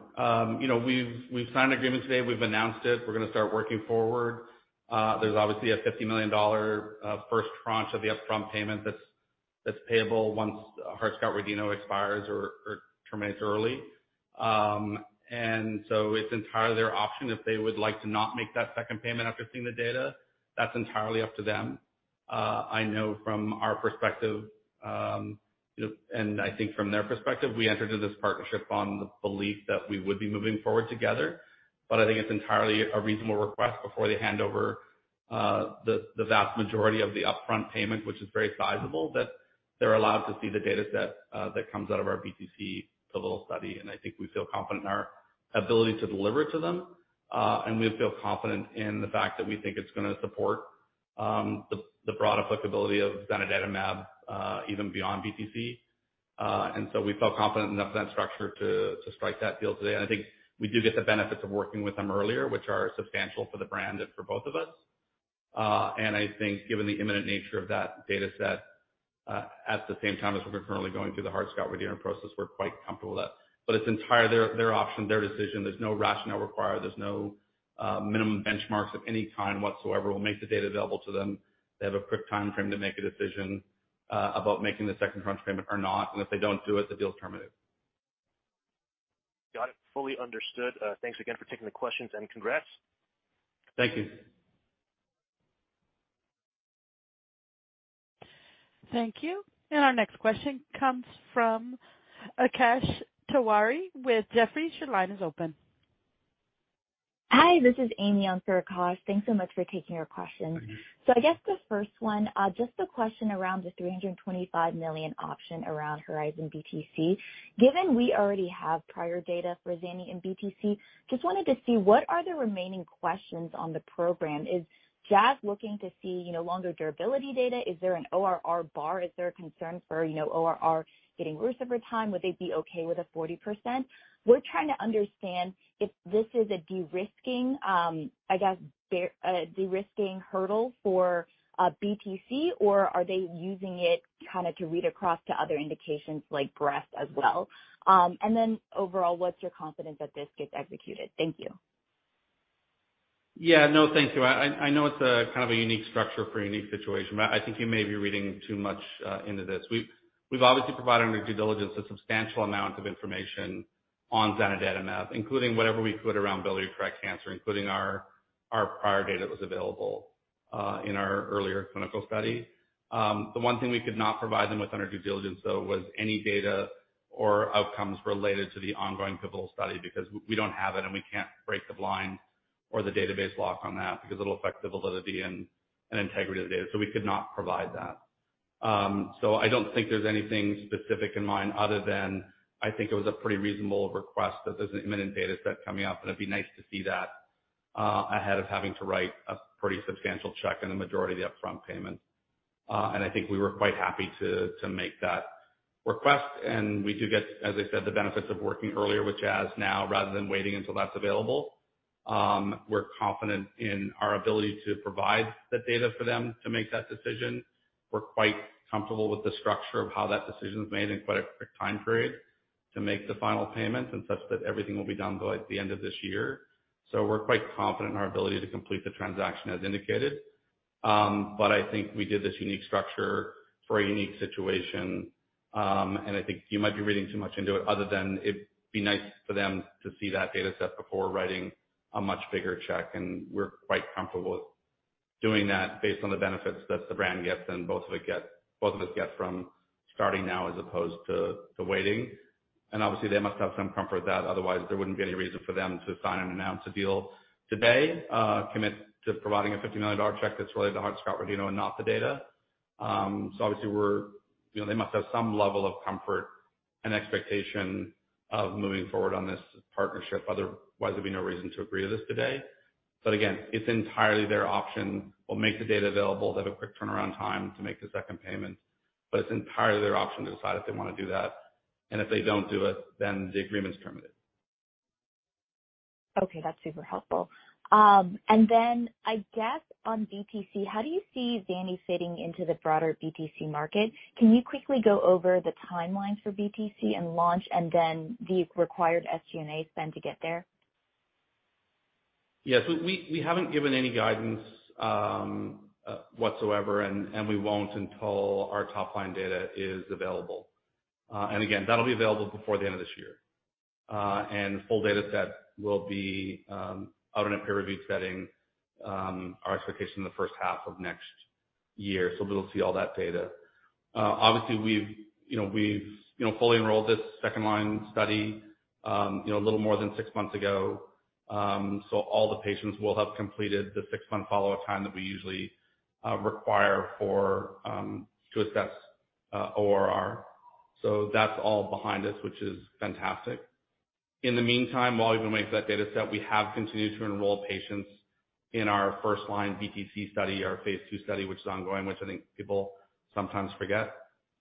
You know, we've signed agreement today. We've announced it. We're gonna start working forward. There's obviously a $50 million first tranche of the upfront payment that's payable once Hart-Scott-Rodino expires or terminates early. It's entirely their option if they would like to not make that second payment after seeing the data. That's entirely up to them. I know from our perspective, you know, and I think from their perspective, we entered into this partnership on the belief that we would be moving forward together. I think it's entirely a reasonable request before they hand over the vast majority of the upfront payment, which is very sizable, that they're allowed to see the dataset that comes out of our BTC pivotal study. I think we feel confident in our ability to deliver to them, and we feel confident in the fact that we think it's gonna support the broad applicability of zanidatamab, even beyond BTC. We felt confident enough in that structure to strike that deal today. I think we do get the benefits of working with them earlier, which are substantial for the brand and for both of us. I think given the imminent nature of that dataset, at the same time as we're currently going through the Hart-Scott-Rodino process, we're quite comfortable with that. But it's entirely their option, their decision. There's no rationale required. There's no minimum benchmarks of any kind whatsoever. We'll make the data available to them. They have a quick timeframe to make a decision about making the second tranche payment or not, and if they don't do it, the deal is terminated. Got it. Fully understood. Thanks again for taking the questions and congrats. Thank you. Thank you. Our next question comes from Akash Tewari with Jefferies. Your line is open. Hi, this is Amy on. Thanks so much for taking our question. So I guess the first one, just a question around the $325 million option around HERIZON-BTC-01. Given we already have prior data for zanidatamab and BTC, just wanted to see what are the remaining questions on the program. Is Jazz looking to see, you know, longer durability data? Is there an ORR bar? Is there a concern for, you know, ORR getting worse over time? Would they be okay with a 40%? We're trying to understand if this is a de-risking, I guess, de-risking hurdle for BTC, or are they using it kind of to read across to other indications like breast as well? And then overall, what's your confidence that this gets executed? Thank you. Yeah. No, thank you. I know it's a kind of a unique structure for a unique situation, but I think you may be reading too much into this. We've obviously provided under due diligence a substantial amount of information on zanidatamab, including whatever we could around biliary tract cancer, including our prior data that was available in our earlier clinical study. The one thing we could not provide them with under due diligence, though, was any data or outcomes related to the ongoing pivotal study because we don't have it and we can't break the blind or the database lock on that because it'll affect the validity and integrity of the data. We could not provide that. I don't think there's anything specific in mind other than I think it was a pretty reasonable request that there's an imminent data set coming up, and it'd be nice to see that ahead of having to write a pretty substantial check in the majority of the upfront payment. I think we were quite happy to make that request. We do get, as I said, the benefits of working earlier with Jazz now rather than waiting until that's available. We're confident in our ability to provide the data for them to make that decision. We're quite comfortable with the structure of how that decision is made in quite a quick time period to make the final payments and such that everything will be done by the end of this year. We're quite confident in our ability to complete the transaction as indicated. I think we did this unique structure for a unique situation. I think you might be reading too much into it other than it'd be nice for them to see that data set before writing a much bigger check, and we're quite comfortable doing that based on the benefits that the brand gets and both of us get from starting now as opposed to waiting. Obviously they must have some comfort that otherwise there wouldn't be any reason for them to sign and announce a deal today, commit to providing a $50 million check that's related to Hart-Scott-Rodino and not the data. Obviously you know, they must have some level of comfort and expectation of moving forward on this partnership, otherwise there'd be no reason to agree to this today. Again, it's entirely their option. We'll make the data available, they'll have a quick turnaround time to make the second payment, but it's entirely their option to decide if they want to do that. If they don't do it, then the agreement is terminated. Okay, that's super helpful. I guess on BTC, how do you see zanidatamab fitting into the broader BTC market? Can you quickly go over the timeline for BTC and launch and then the required SG&A spend to get there? Yes. We haven't given any guidance whatsoever, and we won't until our top line data is available. Again, that'll be available before the end of this year. The full data set will be out in a peer review setting, our expectation in the first half of next year. We'll see all that data. Obviously we've, you know, fully enrolled this second line study, you know, a little more than six months ago. All the patients will have completed the six-month follow-up time that we usually require for to assess ORR. That's all behind us, which is fantastic. In the meantime, while we've been making that data set, we have continued to enroll patients in our first line BTC study, our phase two study, which is ongoing, which I think people sometimes forget.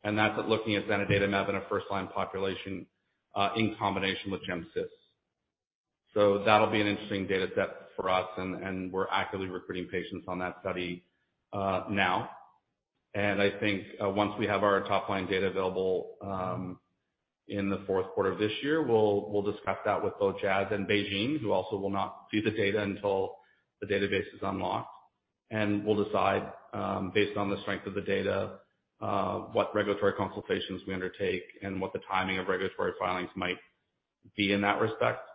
That's looking at zanidatamab in a first line population, in combination with Gemcitabine. That'll be an interesting data set for us and we're actively recruiting patients on that study, now. I think, once we have our top line data available, in the fourth quarter of this year, we'll discuss that with both Jazz and BeiGene, who also will not see the data until the database is unlocked. We'll decide, based on the strength of the data, what regulatory consultations we undertake and what the timing of regulatory filings might be in that respect.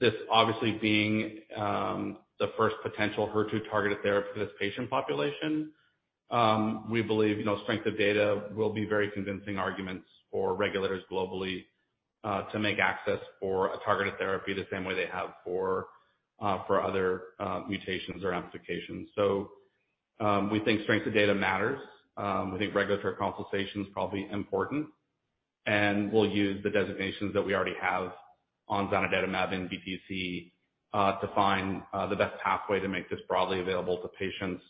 This obviously being the first potential HER2-targeted therapy for this patient population, we believe, you know, strength of data will be very convincing arguments for regulators globally to make access for a targeted therapy the same way they have for other mutations or amplifications. We think strength of data matters. We think regulatory consultation is probably important, and we'll use the designations that we already have on zanidatamab and BTC to find the best pathway to make this broadly available to patients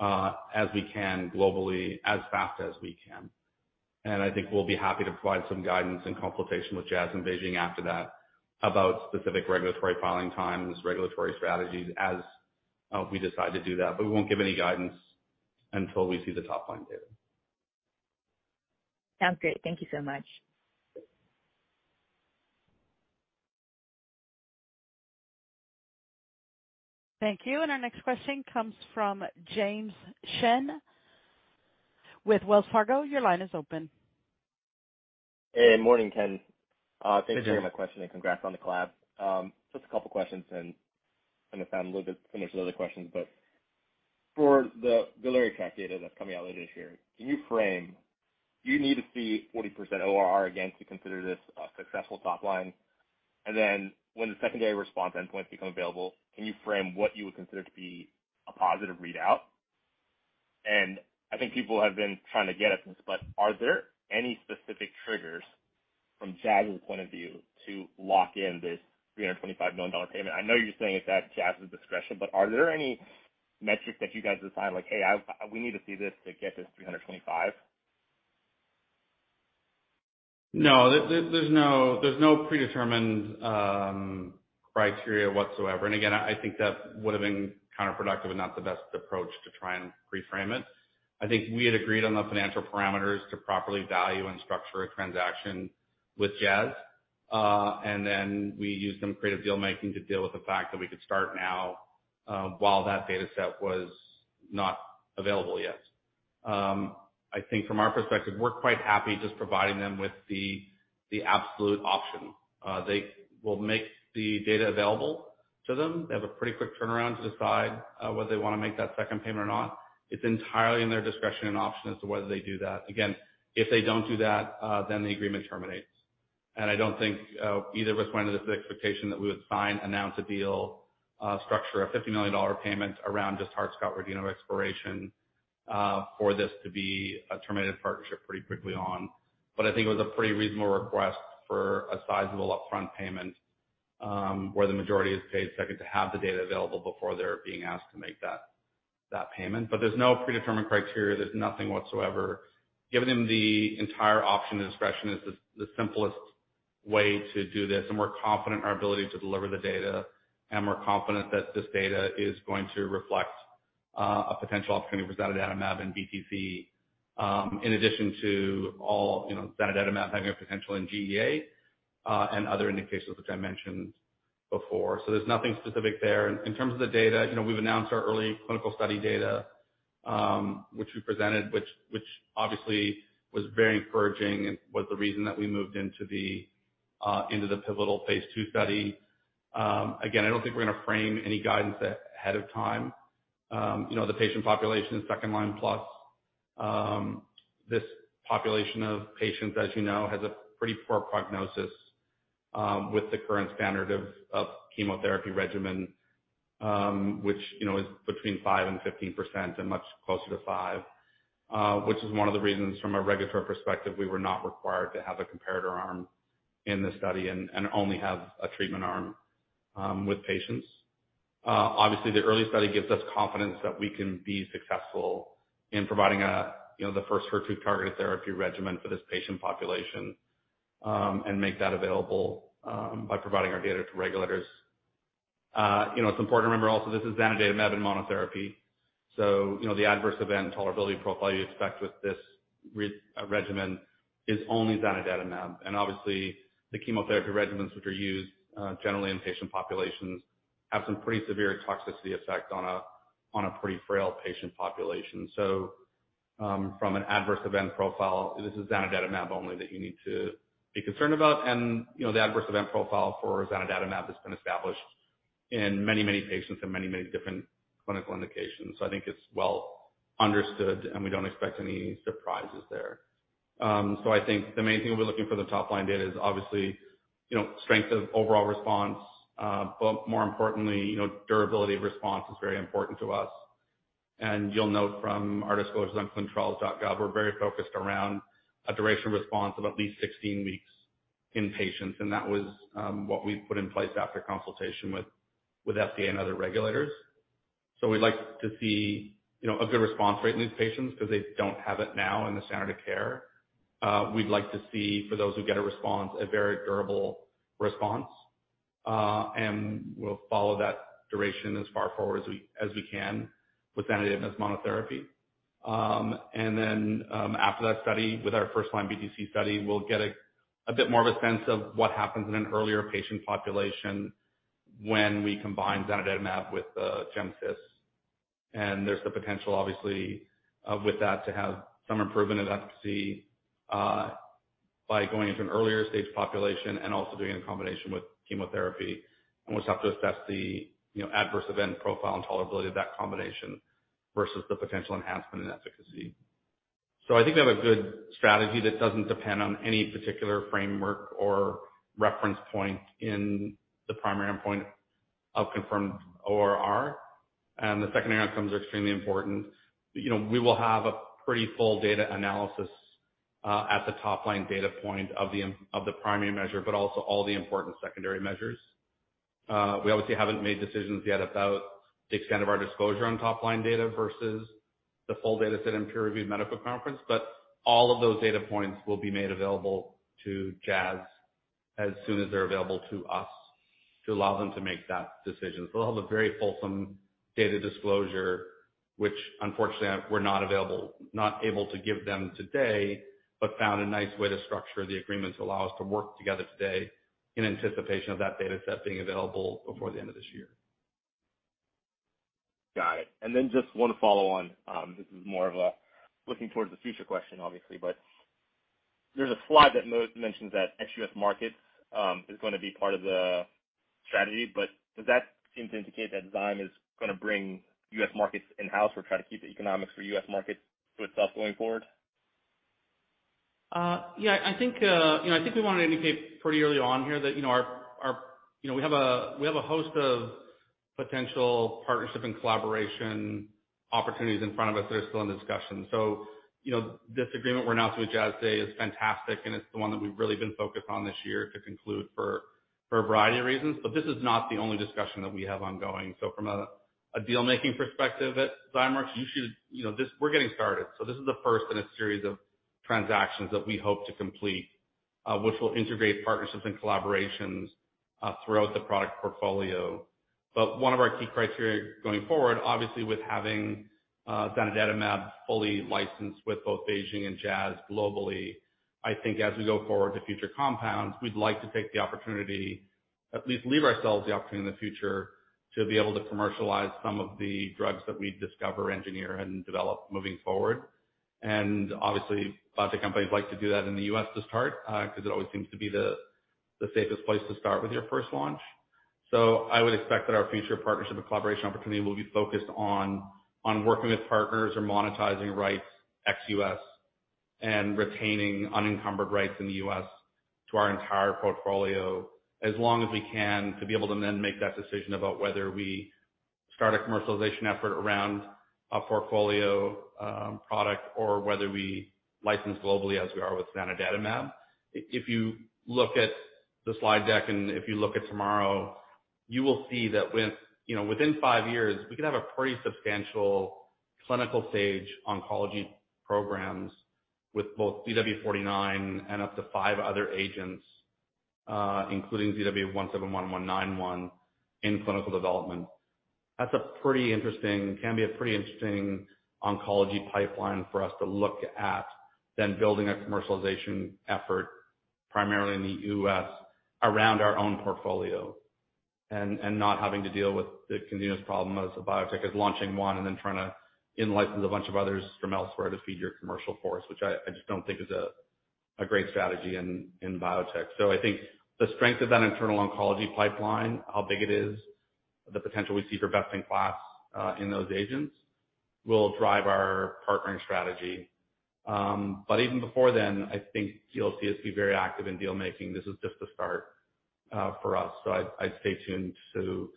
as we can globally as fast as we can. I think we'll be happy to provide some guidance and consultation with Jazz in BeiGene after that about specific regulatory filing times, regulatory strategies as we decide to do that. We won't give any guidance until we see the top line data. Sounds great. Thank you so much. Thank you. Our next question comes from James Shin with Wells Fargo. Your line is open. Hey, morning, Ken. Good day. Thanks for taking my question and congrats on the collab. Just a couple of questions and kind of sound a little bit similar to the other questions, but For the biliary tract data that's coming out later this year, can you frame, do you need to see 40% ORR again to consider this a successful top line? Then when the secondary response endpoints become available, can you frame what you would consider to be a positive readout? I think people have been trying to get at this, but are there any specific triggers from Jazz's point of view to lock in this $325 million payment? I know you're saying it's at Jazz's discretion, but are there any metrics that you guys assign like, "Hey, we need to see this to get this $325? No. There's no predetermined criteria whatsoever. Again, I think that would've been counterproductive and not the best approach to try and reframe it. I think we had agreed on the financial parameters to properly value and structure a transaction with Jazz. Then we used some creative deal-making to deal with the fact that we could start now, while that data set was not available yet. I think from our perspective, we're quite happy just providing them with the absolute option. We'll make the data available to them. They have a pretty quick turnaround to decide whether they wanna make that second payment or not. It's entirely in their discretion and option as to whether they do that. Again, if they don't do that, then the agreement terminates. I don't think either was going to the expectation that we would sign, announce a deal, structure a $50 million payment around just Hart-Scott-Rodino expiration for this to be a terminated partnership pretty quickly. I think it was a pretty reasonable request for a sizable upfront payment, where the majority is paid second to have the data available before they're being asked to make that payment. There's no predetermined criteria. There's nothing whatsoever. Giving them the entire option and discretion is the simplest way to do this, and we're confident in our ability to deliver the data, and we're confident that this data is going to reflect a potential opportunity for zanidatamab and BTC, in addition to all, you know, zanidatamab having a potential in GEA, and other indications which I mentioned before. There's nothing specific there. In terms of the data, you know, we've announced our early clinical study data, which we presented, which obviously was very encouraging and was the reason that we moved into the pivotal phase 2 study. Again, I don't think we're gonna frame any guidance ahead of time. You know, the patient population is second-line plus. This population of patients, as you know, has a pretty poor prognosis with the current standard of chemotherapy regimen, which, you know, is between 5%-15% and much closer to five, which is one of the reasons from a regulatory perspective, we were not required to have a comparator arm in the study and only have a treatment arm with patients. Obviously, the early study gives us confidence that we can be successful in providing, you know, the first HER2-targeted therapy regimen for this patient population, and make that available by providing our data to regulators. You know, it's important to remember also this is zanidatamab in monotherapy, so, you know, the adverse event tolerability profile you expect with this regimen is only zanidatamab. Obviously, the chemotherapy regimens which are used generally in patient populations have some pretty severe toxicity effect on a pretty frail patient population. From an adverse event profile, this is zanidatamab only that you need to be concerned about. You know, the adverse event profile for zanidatamab has been established in many, many patients in many, many different clinical indications. I think it's well understood, and we don't expect any surprises there. I think the main thing we'll be looking for the top-line data is obviously, you know, strength of overall response. More importantly, you know, durability of response is very important to us. You'll note from our disclosures on ClinicalTrials.gov, we're very focused around a duration response of at least 16 weeks in patients, and that was what we put in place after consultation with FDA and other regulators. We'd like to see, you know, a good response rate in these patients because they don't have it now in the standard of care. We'd like to see, for those who get a response, a very durable response. We'll follow that duration as far forward as we can with zanidatamab's monotherapy. After that study with our first-line BTC study, we'll get a bit more of a sense of what happens in an earlier patient population when we combine zanidatamab with Gemcitabine. There's the potential, obviously, with that to have some improvement in efficacy by going into an earlier stage population and also doing a combination with chemotherapy, and we'll just have to assess the you know adverse event profile and tolerability of that combination versus the potential enhancement in efficacy. I think they have a good strategy that doesn't depend on any particular framework or reference point in the primary endpoint of confirmed ORR, and the secondary outcomes are extremely important. You know, we will have a pretty full data analysis at the top line data point of the primary measure, but also all the important secondary measures. We obviously haven't made decisions yet about the extent of our disclosure on top-line data versus the full data set and peer-reviewed medical conference. All of those data points will be made available to Jazz as soon as they're available to us to allow them to make that decision. We'll have a very fulsome data disclosure, which unfortunately we're not able to give them today, but found a nice way to structure the agreement to allow us to work together today in anticipation of that data set being available before the end of this year. Got it. Just one follow-on. This is more of a looking towards the future question obviously. There's a slide that mentions that ex-U.S. market is gonna be part of the strategy, but does that seem to indicate that Zymeworks is gonna bring U.S. markets in-house or try to keep the economics for U.S. markets to itself going forward? Yeah, I think you know, I think we wanna indicate pretty early on here that you know, our. You know, we have a host of potential partnership and collaboration opportunities in front of us that are still in discussion. This agreement we announced with Jazz today is fantastic, and it's the one that we've really been focused on this year to conclude for a variety of reasons, but this is not the only discussion that we have ongoing. From a deal-making perspective at Zymeworks, you should know this. We're getting started. This is the first in a series of transactions that we hope to complete, which will integrate partnerships and collaborations throughout the product portfolio. One of our key criteria going forward, obviously, with having zanidatamab fully licensed with both BeiGene and Jazz globally, I think as we go forward to future compounds, we'd like to take the opportunity, at least leave ourselves the opportunity in the future to be able to commercialize some of the drugs that we discover, engineer, and develop moving forward. Obviously, biotech companies like to do that in the U.S. to start, 'cause it always seems to be the safest place to start with your first launch. I would expect that our future partnership and collaboration opportunity will be focused on working with partners or monetizing rights ex-US and retaining unencumbered rights in the US to our entire portfolio as long as we can, to be able to then make that decision about whether we start a commercialization effort around a portfolio product or whether we license globally as we are with zanidatamab. If you look at the slide deck, and if you look at tomorrow, you will see that with, you know, within five years, we could have a pretty substantial clinical-stage oncology programs with both ZW49 and up to five other agents, including ZW171 and ZW191 in clinical development. That's a pretty interesting. Can be a pretty interesting oncology pipeline for us to look at rather than building a commercialization effort primarily in the US around our own portfolio and not having to deal with the continuous problem as a biotech, launching one and then trying to in-license a bunch of others from elsewhere to feed your commercial force, which I just don't think is a great strategy in biotech. I think the strength of that internal oncology pipeline, how big it is, the potential we see for best-in-class in those agents, will drive our partnering strategy. Even before then, I think you'll see us be very active in deal-making. This is just the start for us. I'd stay tuned to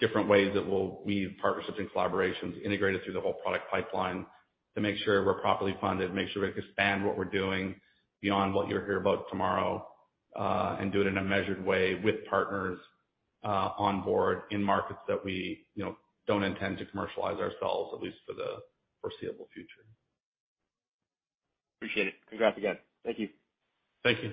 different ways that we'll weave partnerships and collaborations integrated through the whole product pipeline to make sure we're properly funded, make sure we can expand what we're doing beyond what you'll hear about tomorrow, and do it in a measured way with partners on board in markets that we, you know, don't intend to commercialize ourselves, at least for the foreseeable future. Appreciate it. Congrats again. Thank you. Thank you.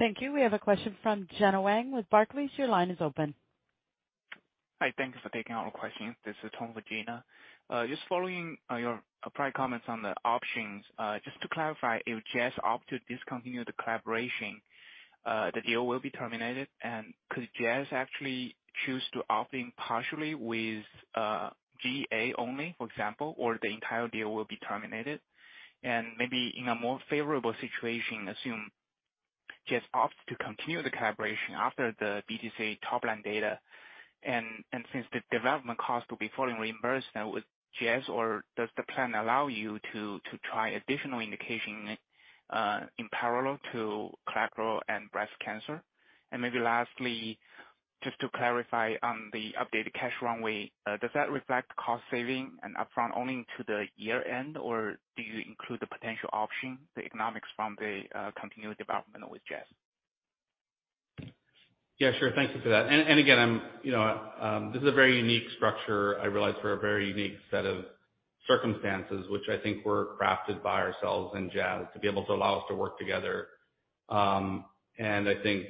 Thank you. We have a question from Gena Wang with Barclays. Your line is open. Hi. Thank you for taking our questions. This is Tong with Gena Wang. Just following your earlier comments on the options. Just to clarify, if Jazz opt to discontinue the collaboration, the deal will be terminated? And could Jazz actually choose to opt in partially with GEA only, for example, or the entire deal will be terminated? Maybe in a more favorable situation, assume Jazz opts to continue the collaboration after the BTC top-line data, and since the development cost will be fully reimbursed now with Jazz or does the plan allow you to try additional indication in parallel to colorectal and breast cancer? Maybe lastly, just to clarify on the updated cash runway, does that reflect cost saving and upfront only to the year-end, or do you include the potential option, the economics from the continued development with Jazz? Yeah, sure. Thank you for that. Again, I'm, you know, this is a very unique structure, I realize, for a very unique set of circumstances, which I think were crafted by ourselves and Jazz to be able to allow us to work together. I think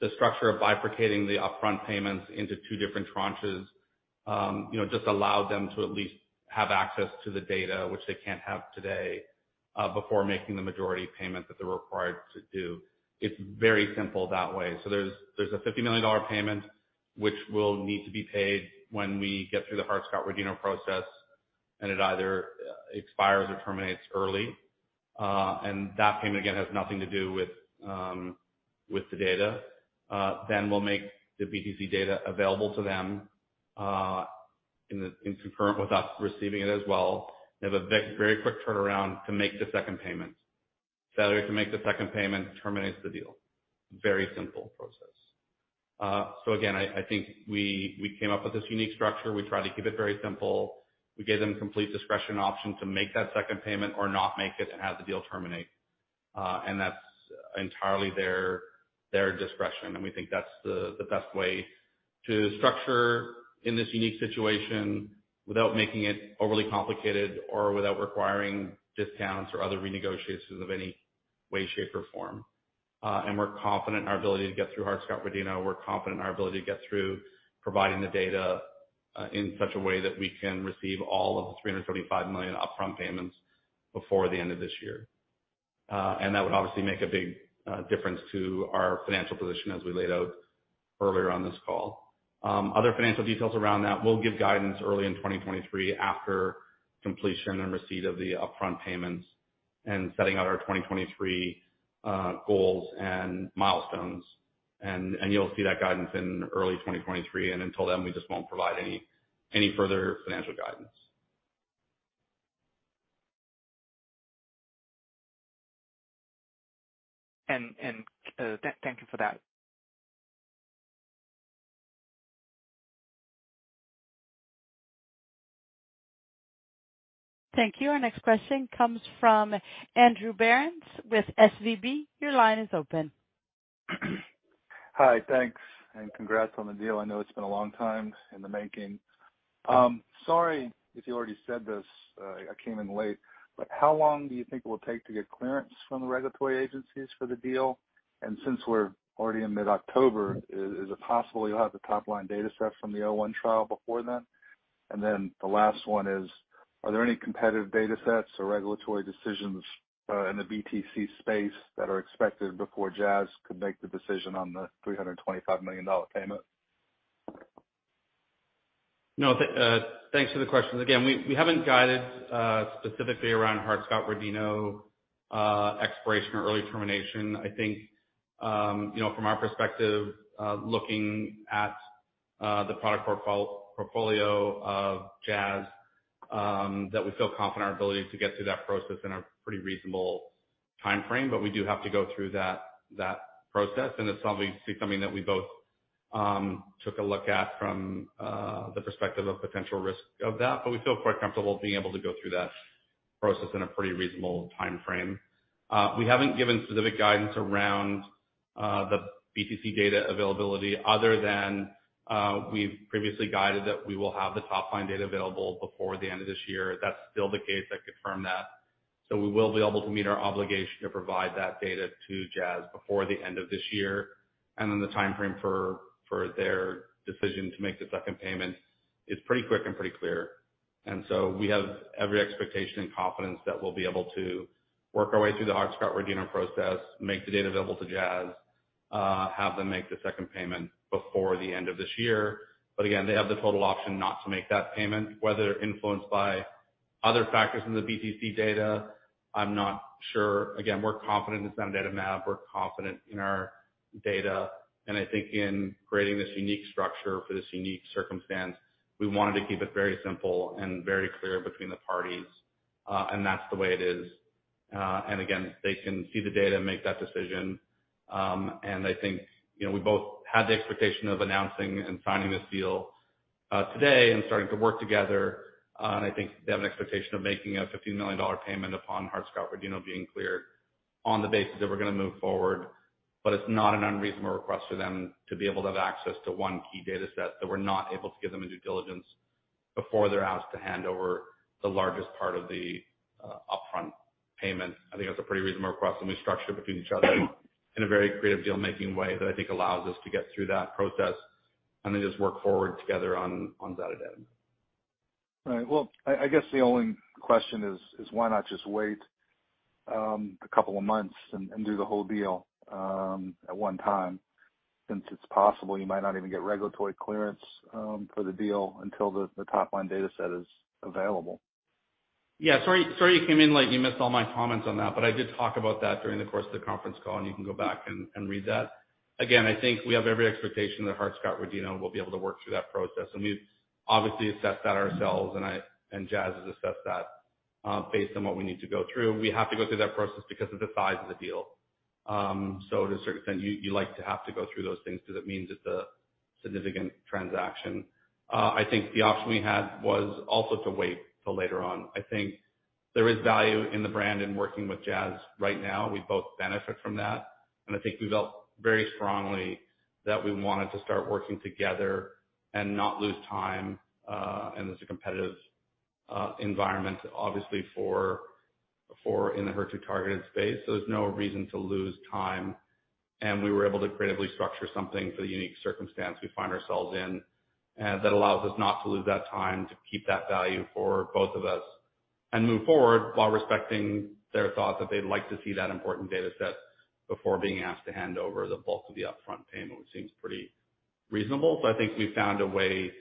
the structure of bifurcating the upfront payments into two different tranches, you know, just allowed them to at least have access to the data which they can't have today, before making the majority payment that they're required to do. It's very simple that way. There's a $50 million payment, which will need to be paid when we get through the Hart-Scott-Rodino process, and it either expires or terminates early. That payment, again, has nothing to do with the data. We'll make the BTC data available to them in concurrent with us receiving it as well. They have a very quick turnaround to make the second payment. Failure to make the second payment terminates the deal. Very simple process. I think we came up with this unique structure. We tried to keep it very simple. We gave them complete discretion option to make that second payment or not make it and have the deal terminate. That's entirely their discretion, and we think that's the best way to structure in this unique situation without making it overly complicated or without requiring discounts or other renegotiations of any way, shape, or form. We're confident in our ability to get through Hart-Scott-Rodino. We're confident in our ability to get through providing the data in such a way that we can receive all of the $335 million upfront payments before the end of this year. That would obviously make a big difference to our financial position as we laid out earlier on this call. Other financial details around that, we'll give guidance early in 2023 after completion and receipt of the upfront payments and setting out our 2023 goals and milestones. You'll see that guidance in early 2023, and until then, we just won't provide any further financial guidance. And, and, uh, th-thank you for that. Thank you. Our next question comes from Andrew Berens with SVB. Your line is open. Hi, thanks, and congrats on the deal. I know it's been a long time in the making. Sorry if you already said this, I came in late, but how long do you think it will take to get clearance from the regulatory agencies for the deal? Since we're already in mid-October, is it possible you'll have the top line data set from the HERIZON-BTC-01 trial before then? The last one is, are there any competitive data sets or regulatory decisions in the BTC space that are expected before Jazz could make the decision on the $325 million payment? No. Thanks for the questions. Again, we haven't guided specifically around Hart-Scott-Rodino exploration or early termination. I think you know, from our perspective, looking at the product portfolio of Jazz, that we feel confident in our ability to get through that process in a pretty reasonable timeframe. We do have to go through that process, and it's something that we both took a look at from the perspective of potential risk of that. We feel quite comfortable being able to go through that process in a pretty reasonable timeframe. We haven't given specific guidance around the BTC data availability other than we've previously guided that we will have the top-line data available before the end of this year. That's still the case. I confirm that. We will be able to meet our obligation to provide that data to Jazz before the end of this year. Then the timeframe for their decision to make the second payment is pretty quick and pretty clear. We have every expectation and confidence that we'll be able to work our way through the Hart-Scott-Rodino process, make the data available to Jazz, have them make the second payment before the end of this year. Again, they have the total option not to make that payment. Whether influenced by other factors in the BTC data, I'm not sure. Again, we're confident in zanidatamab. We're confident in our data. I think in creating this unique structure for this unique circumstance, we wanted to keep it very simple and very clear between the parties, and that's the way it is. Again, they can see the data and make that decision. I think, you know, we both had the expectation of announcing and signing this deal, today and starting to work together. I think they have an expectation of making a $50 million payment upon Hart-Scott-Rodino being cleared on the basis that we're gonna move forward. It's not an unreasonable request for them to be able to have access to one key data set that we're not able to give them during due diligence before they're asked to hand over the largest part of the upfront payment. I think that's a pretty reasonable request, and we structured between each other in a very creative deal-making way that I think allows us to get through that process and then just work forward together on zanidatamab. All right. Well, I guess the only question is why not just wait a couple of months and do the whole deal at one time since it's possible you might not even get regulatory clearance for the deal until the top-line data set is available? Yeah. Sorry you came in late. You missed all my comments on that, but I did talk about that during the course of the conference call, and you can go back and read that. Again, I think we have every expectation that Hart-Scott-Rodino will be able to work through that process. We've obviously assessed that ourselves, and Jazz has assessed that, based on what we need to go through. We have to go through that process because of the size of the deal. To a certain extent, you like to have to go through those things because it means it's a significant transaction. I think the option we had was also to wait till later on. I think there is value in the brand in working with Jazz right now. We both benefit from that. I think we felt very strongly that we wanted to start working together and not lose time, and it's a competitive environment obviously for in the HER2-targeted space, so there's no reason to lose time. We were able to creatively structure something for the unique circumstance we find ourselves in, that allows us not to lose that time, to keep that value for both of us and move forward while respecting their thought that they'd like to see that important data set before being asked to hand over the bulk of the upfront payment, which seems pretty reasonable. I think we found a way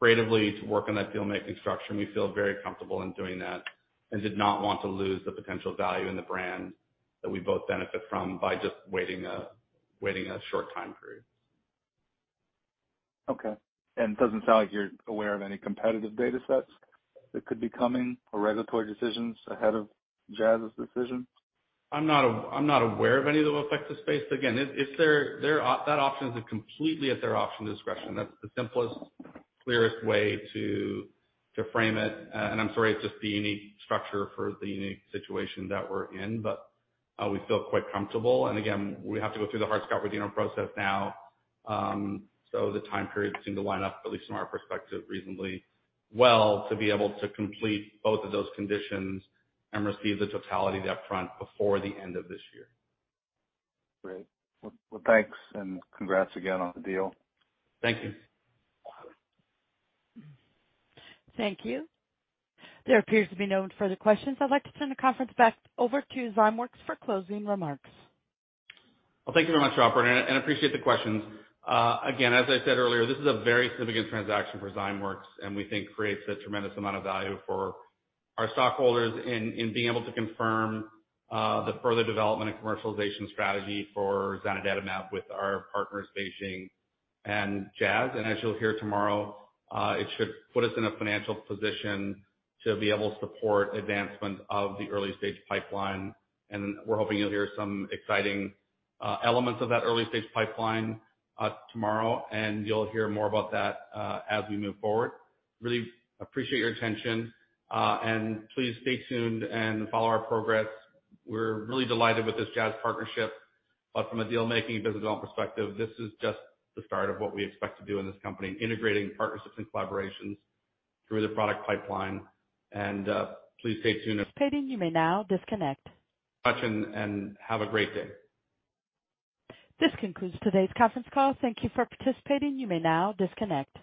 creatively to work on that deal-making structure, and we feel very comfortable in doing that and did not want to lose the potential value in the brand that we both benefit from by just waiting a short time period. Okay. Doesn't sound like you're aware of any competitive data sets that could be coming or regulatory decisions ahead of Jazz's decision? I'm not aware of any that will affect the space. Again, it's their option. That option is completely at their discretion. That's the simplest, clearest way to frame it. I'm sorry, it's just the unique structure for the unique situation that we're in. We feel quite comfortable. Again, we have to go through the Hart-Scott-Rodino process now. The time period seemed to line up, at least from our perspective, reasonably well to be able to complete both of those conditions and receive the totality of the upfront before the end of this year. Great. Well, thanks and congrats again on the deal. Thank you. Thank you. There appears to be no further questions. I'd like to turn the conference back over to Zymeworks for closing remarks. Well, thank you very much, operator, and appreciate the questions. Again, as I said earlier, this is a very significant transaction for Zymeworks, and we think creates a tremendous amount of value for our stockholders in being able to confirm the further development and commercialization strategy for zanidatamab with our partners BeiGene and Jazz. As you'll hear tomorrow, it should put us in a financial position to be able to support advancements of the early-stage pipeline. We're hoping you'll hear some exciting elements of that early-stage pipeline tomorrow, and you'll hear more about that as we move forward. Really appreciate your attention, and please stay tuned and follow our progress. We're really delighted with this Jazz partnership, but from a deal-making business development perspective, this is just the start of what we expect to do in this company, integrating partnerships and collaborations through the product pipeline. Please stay tuned. Participants, you may now disconnect. Much and have a great day. This concludes today's conference call. Thank you for participating. You may now disconnect.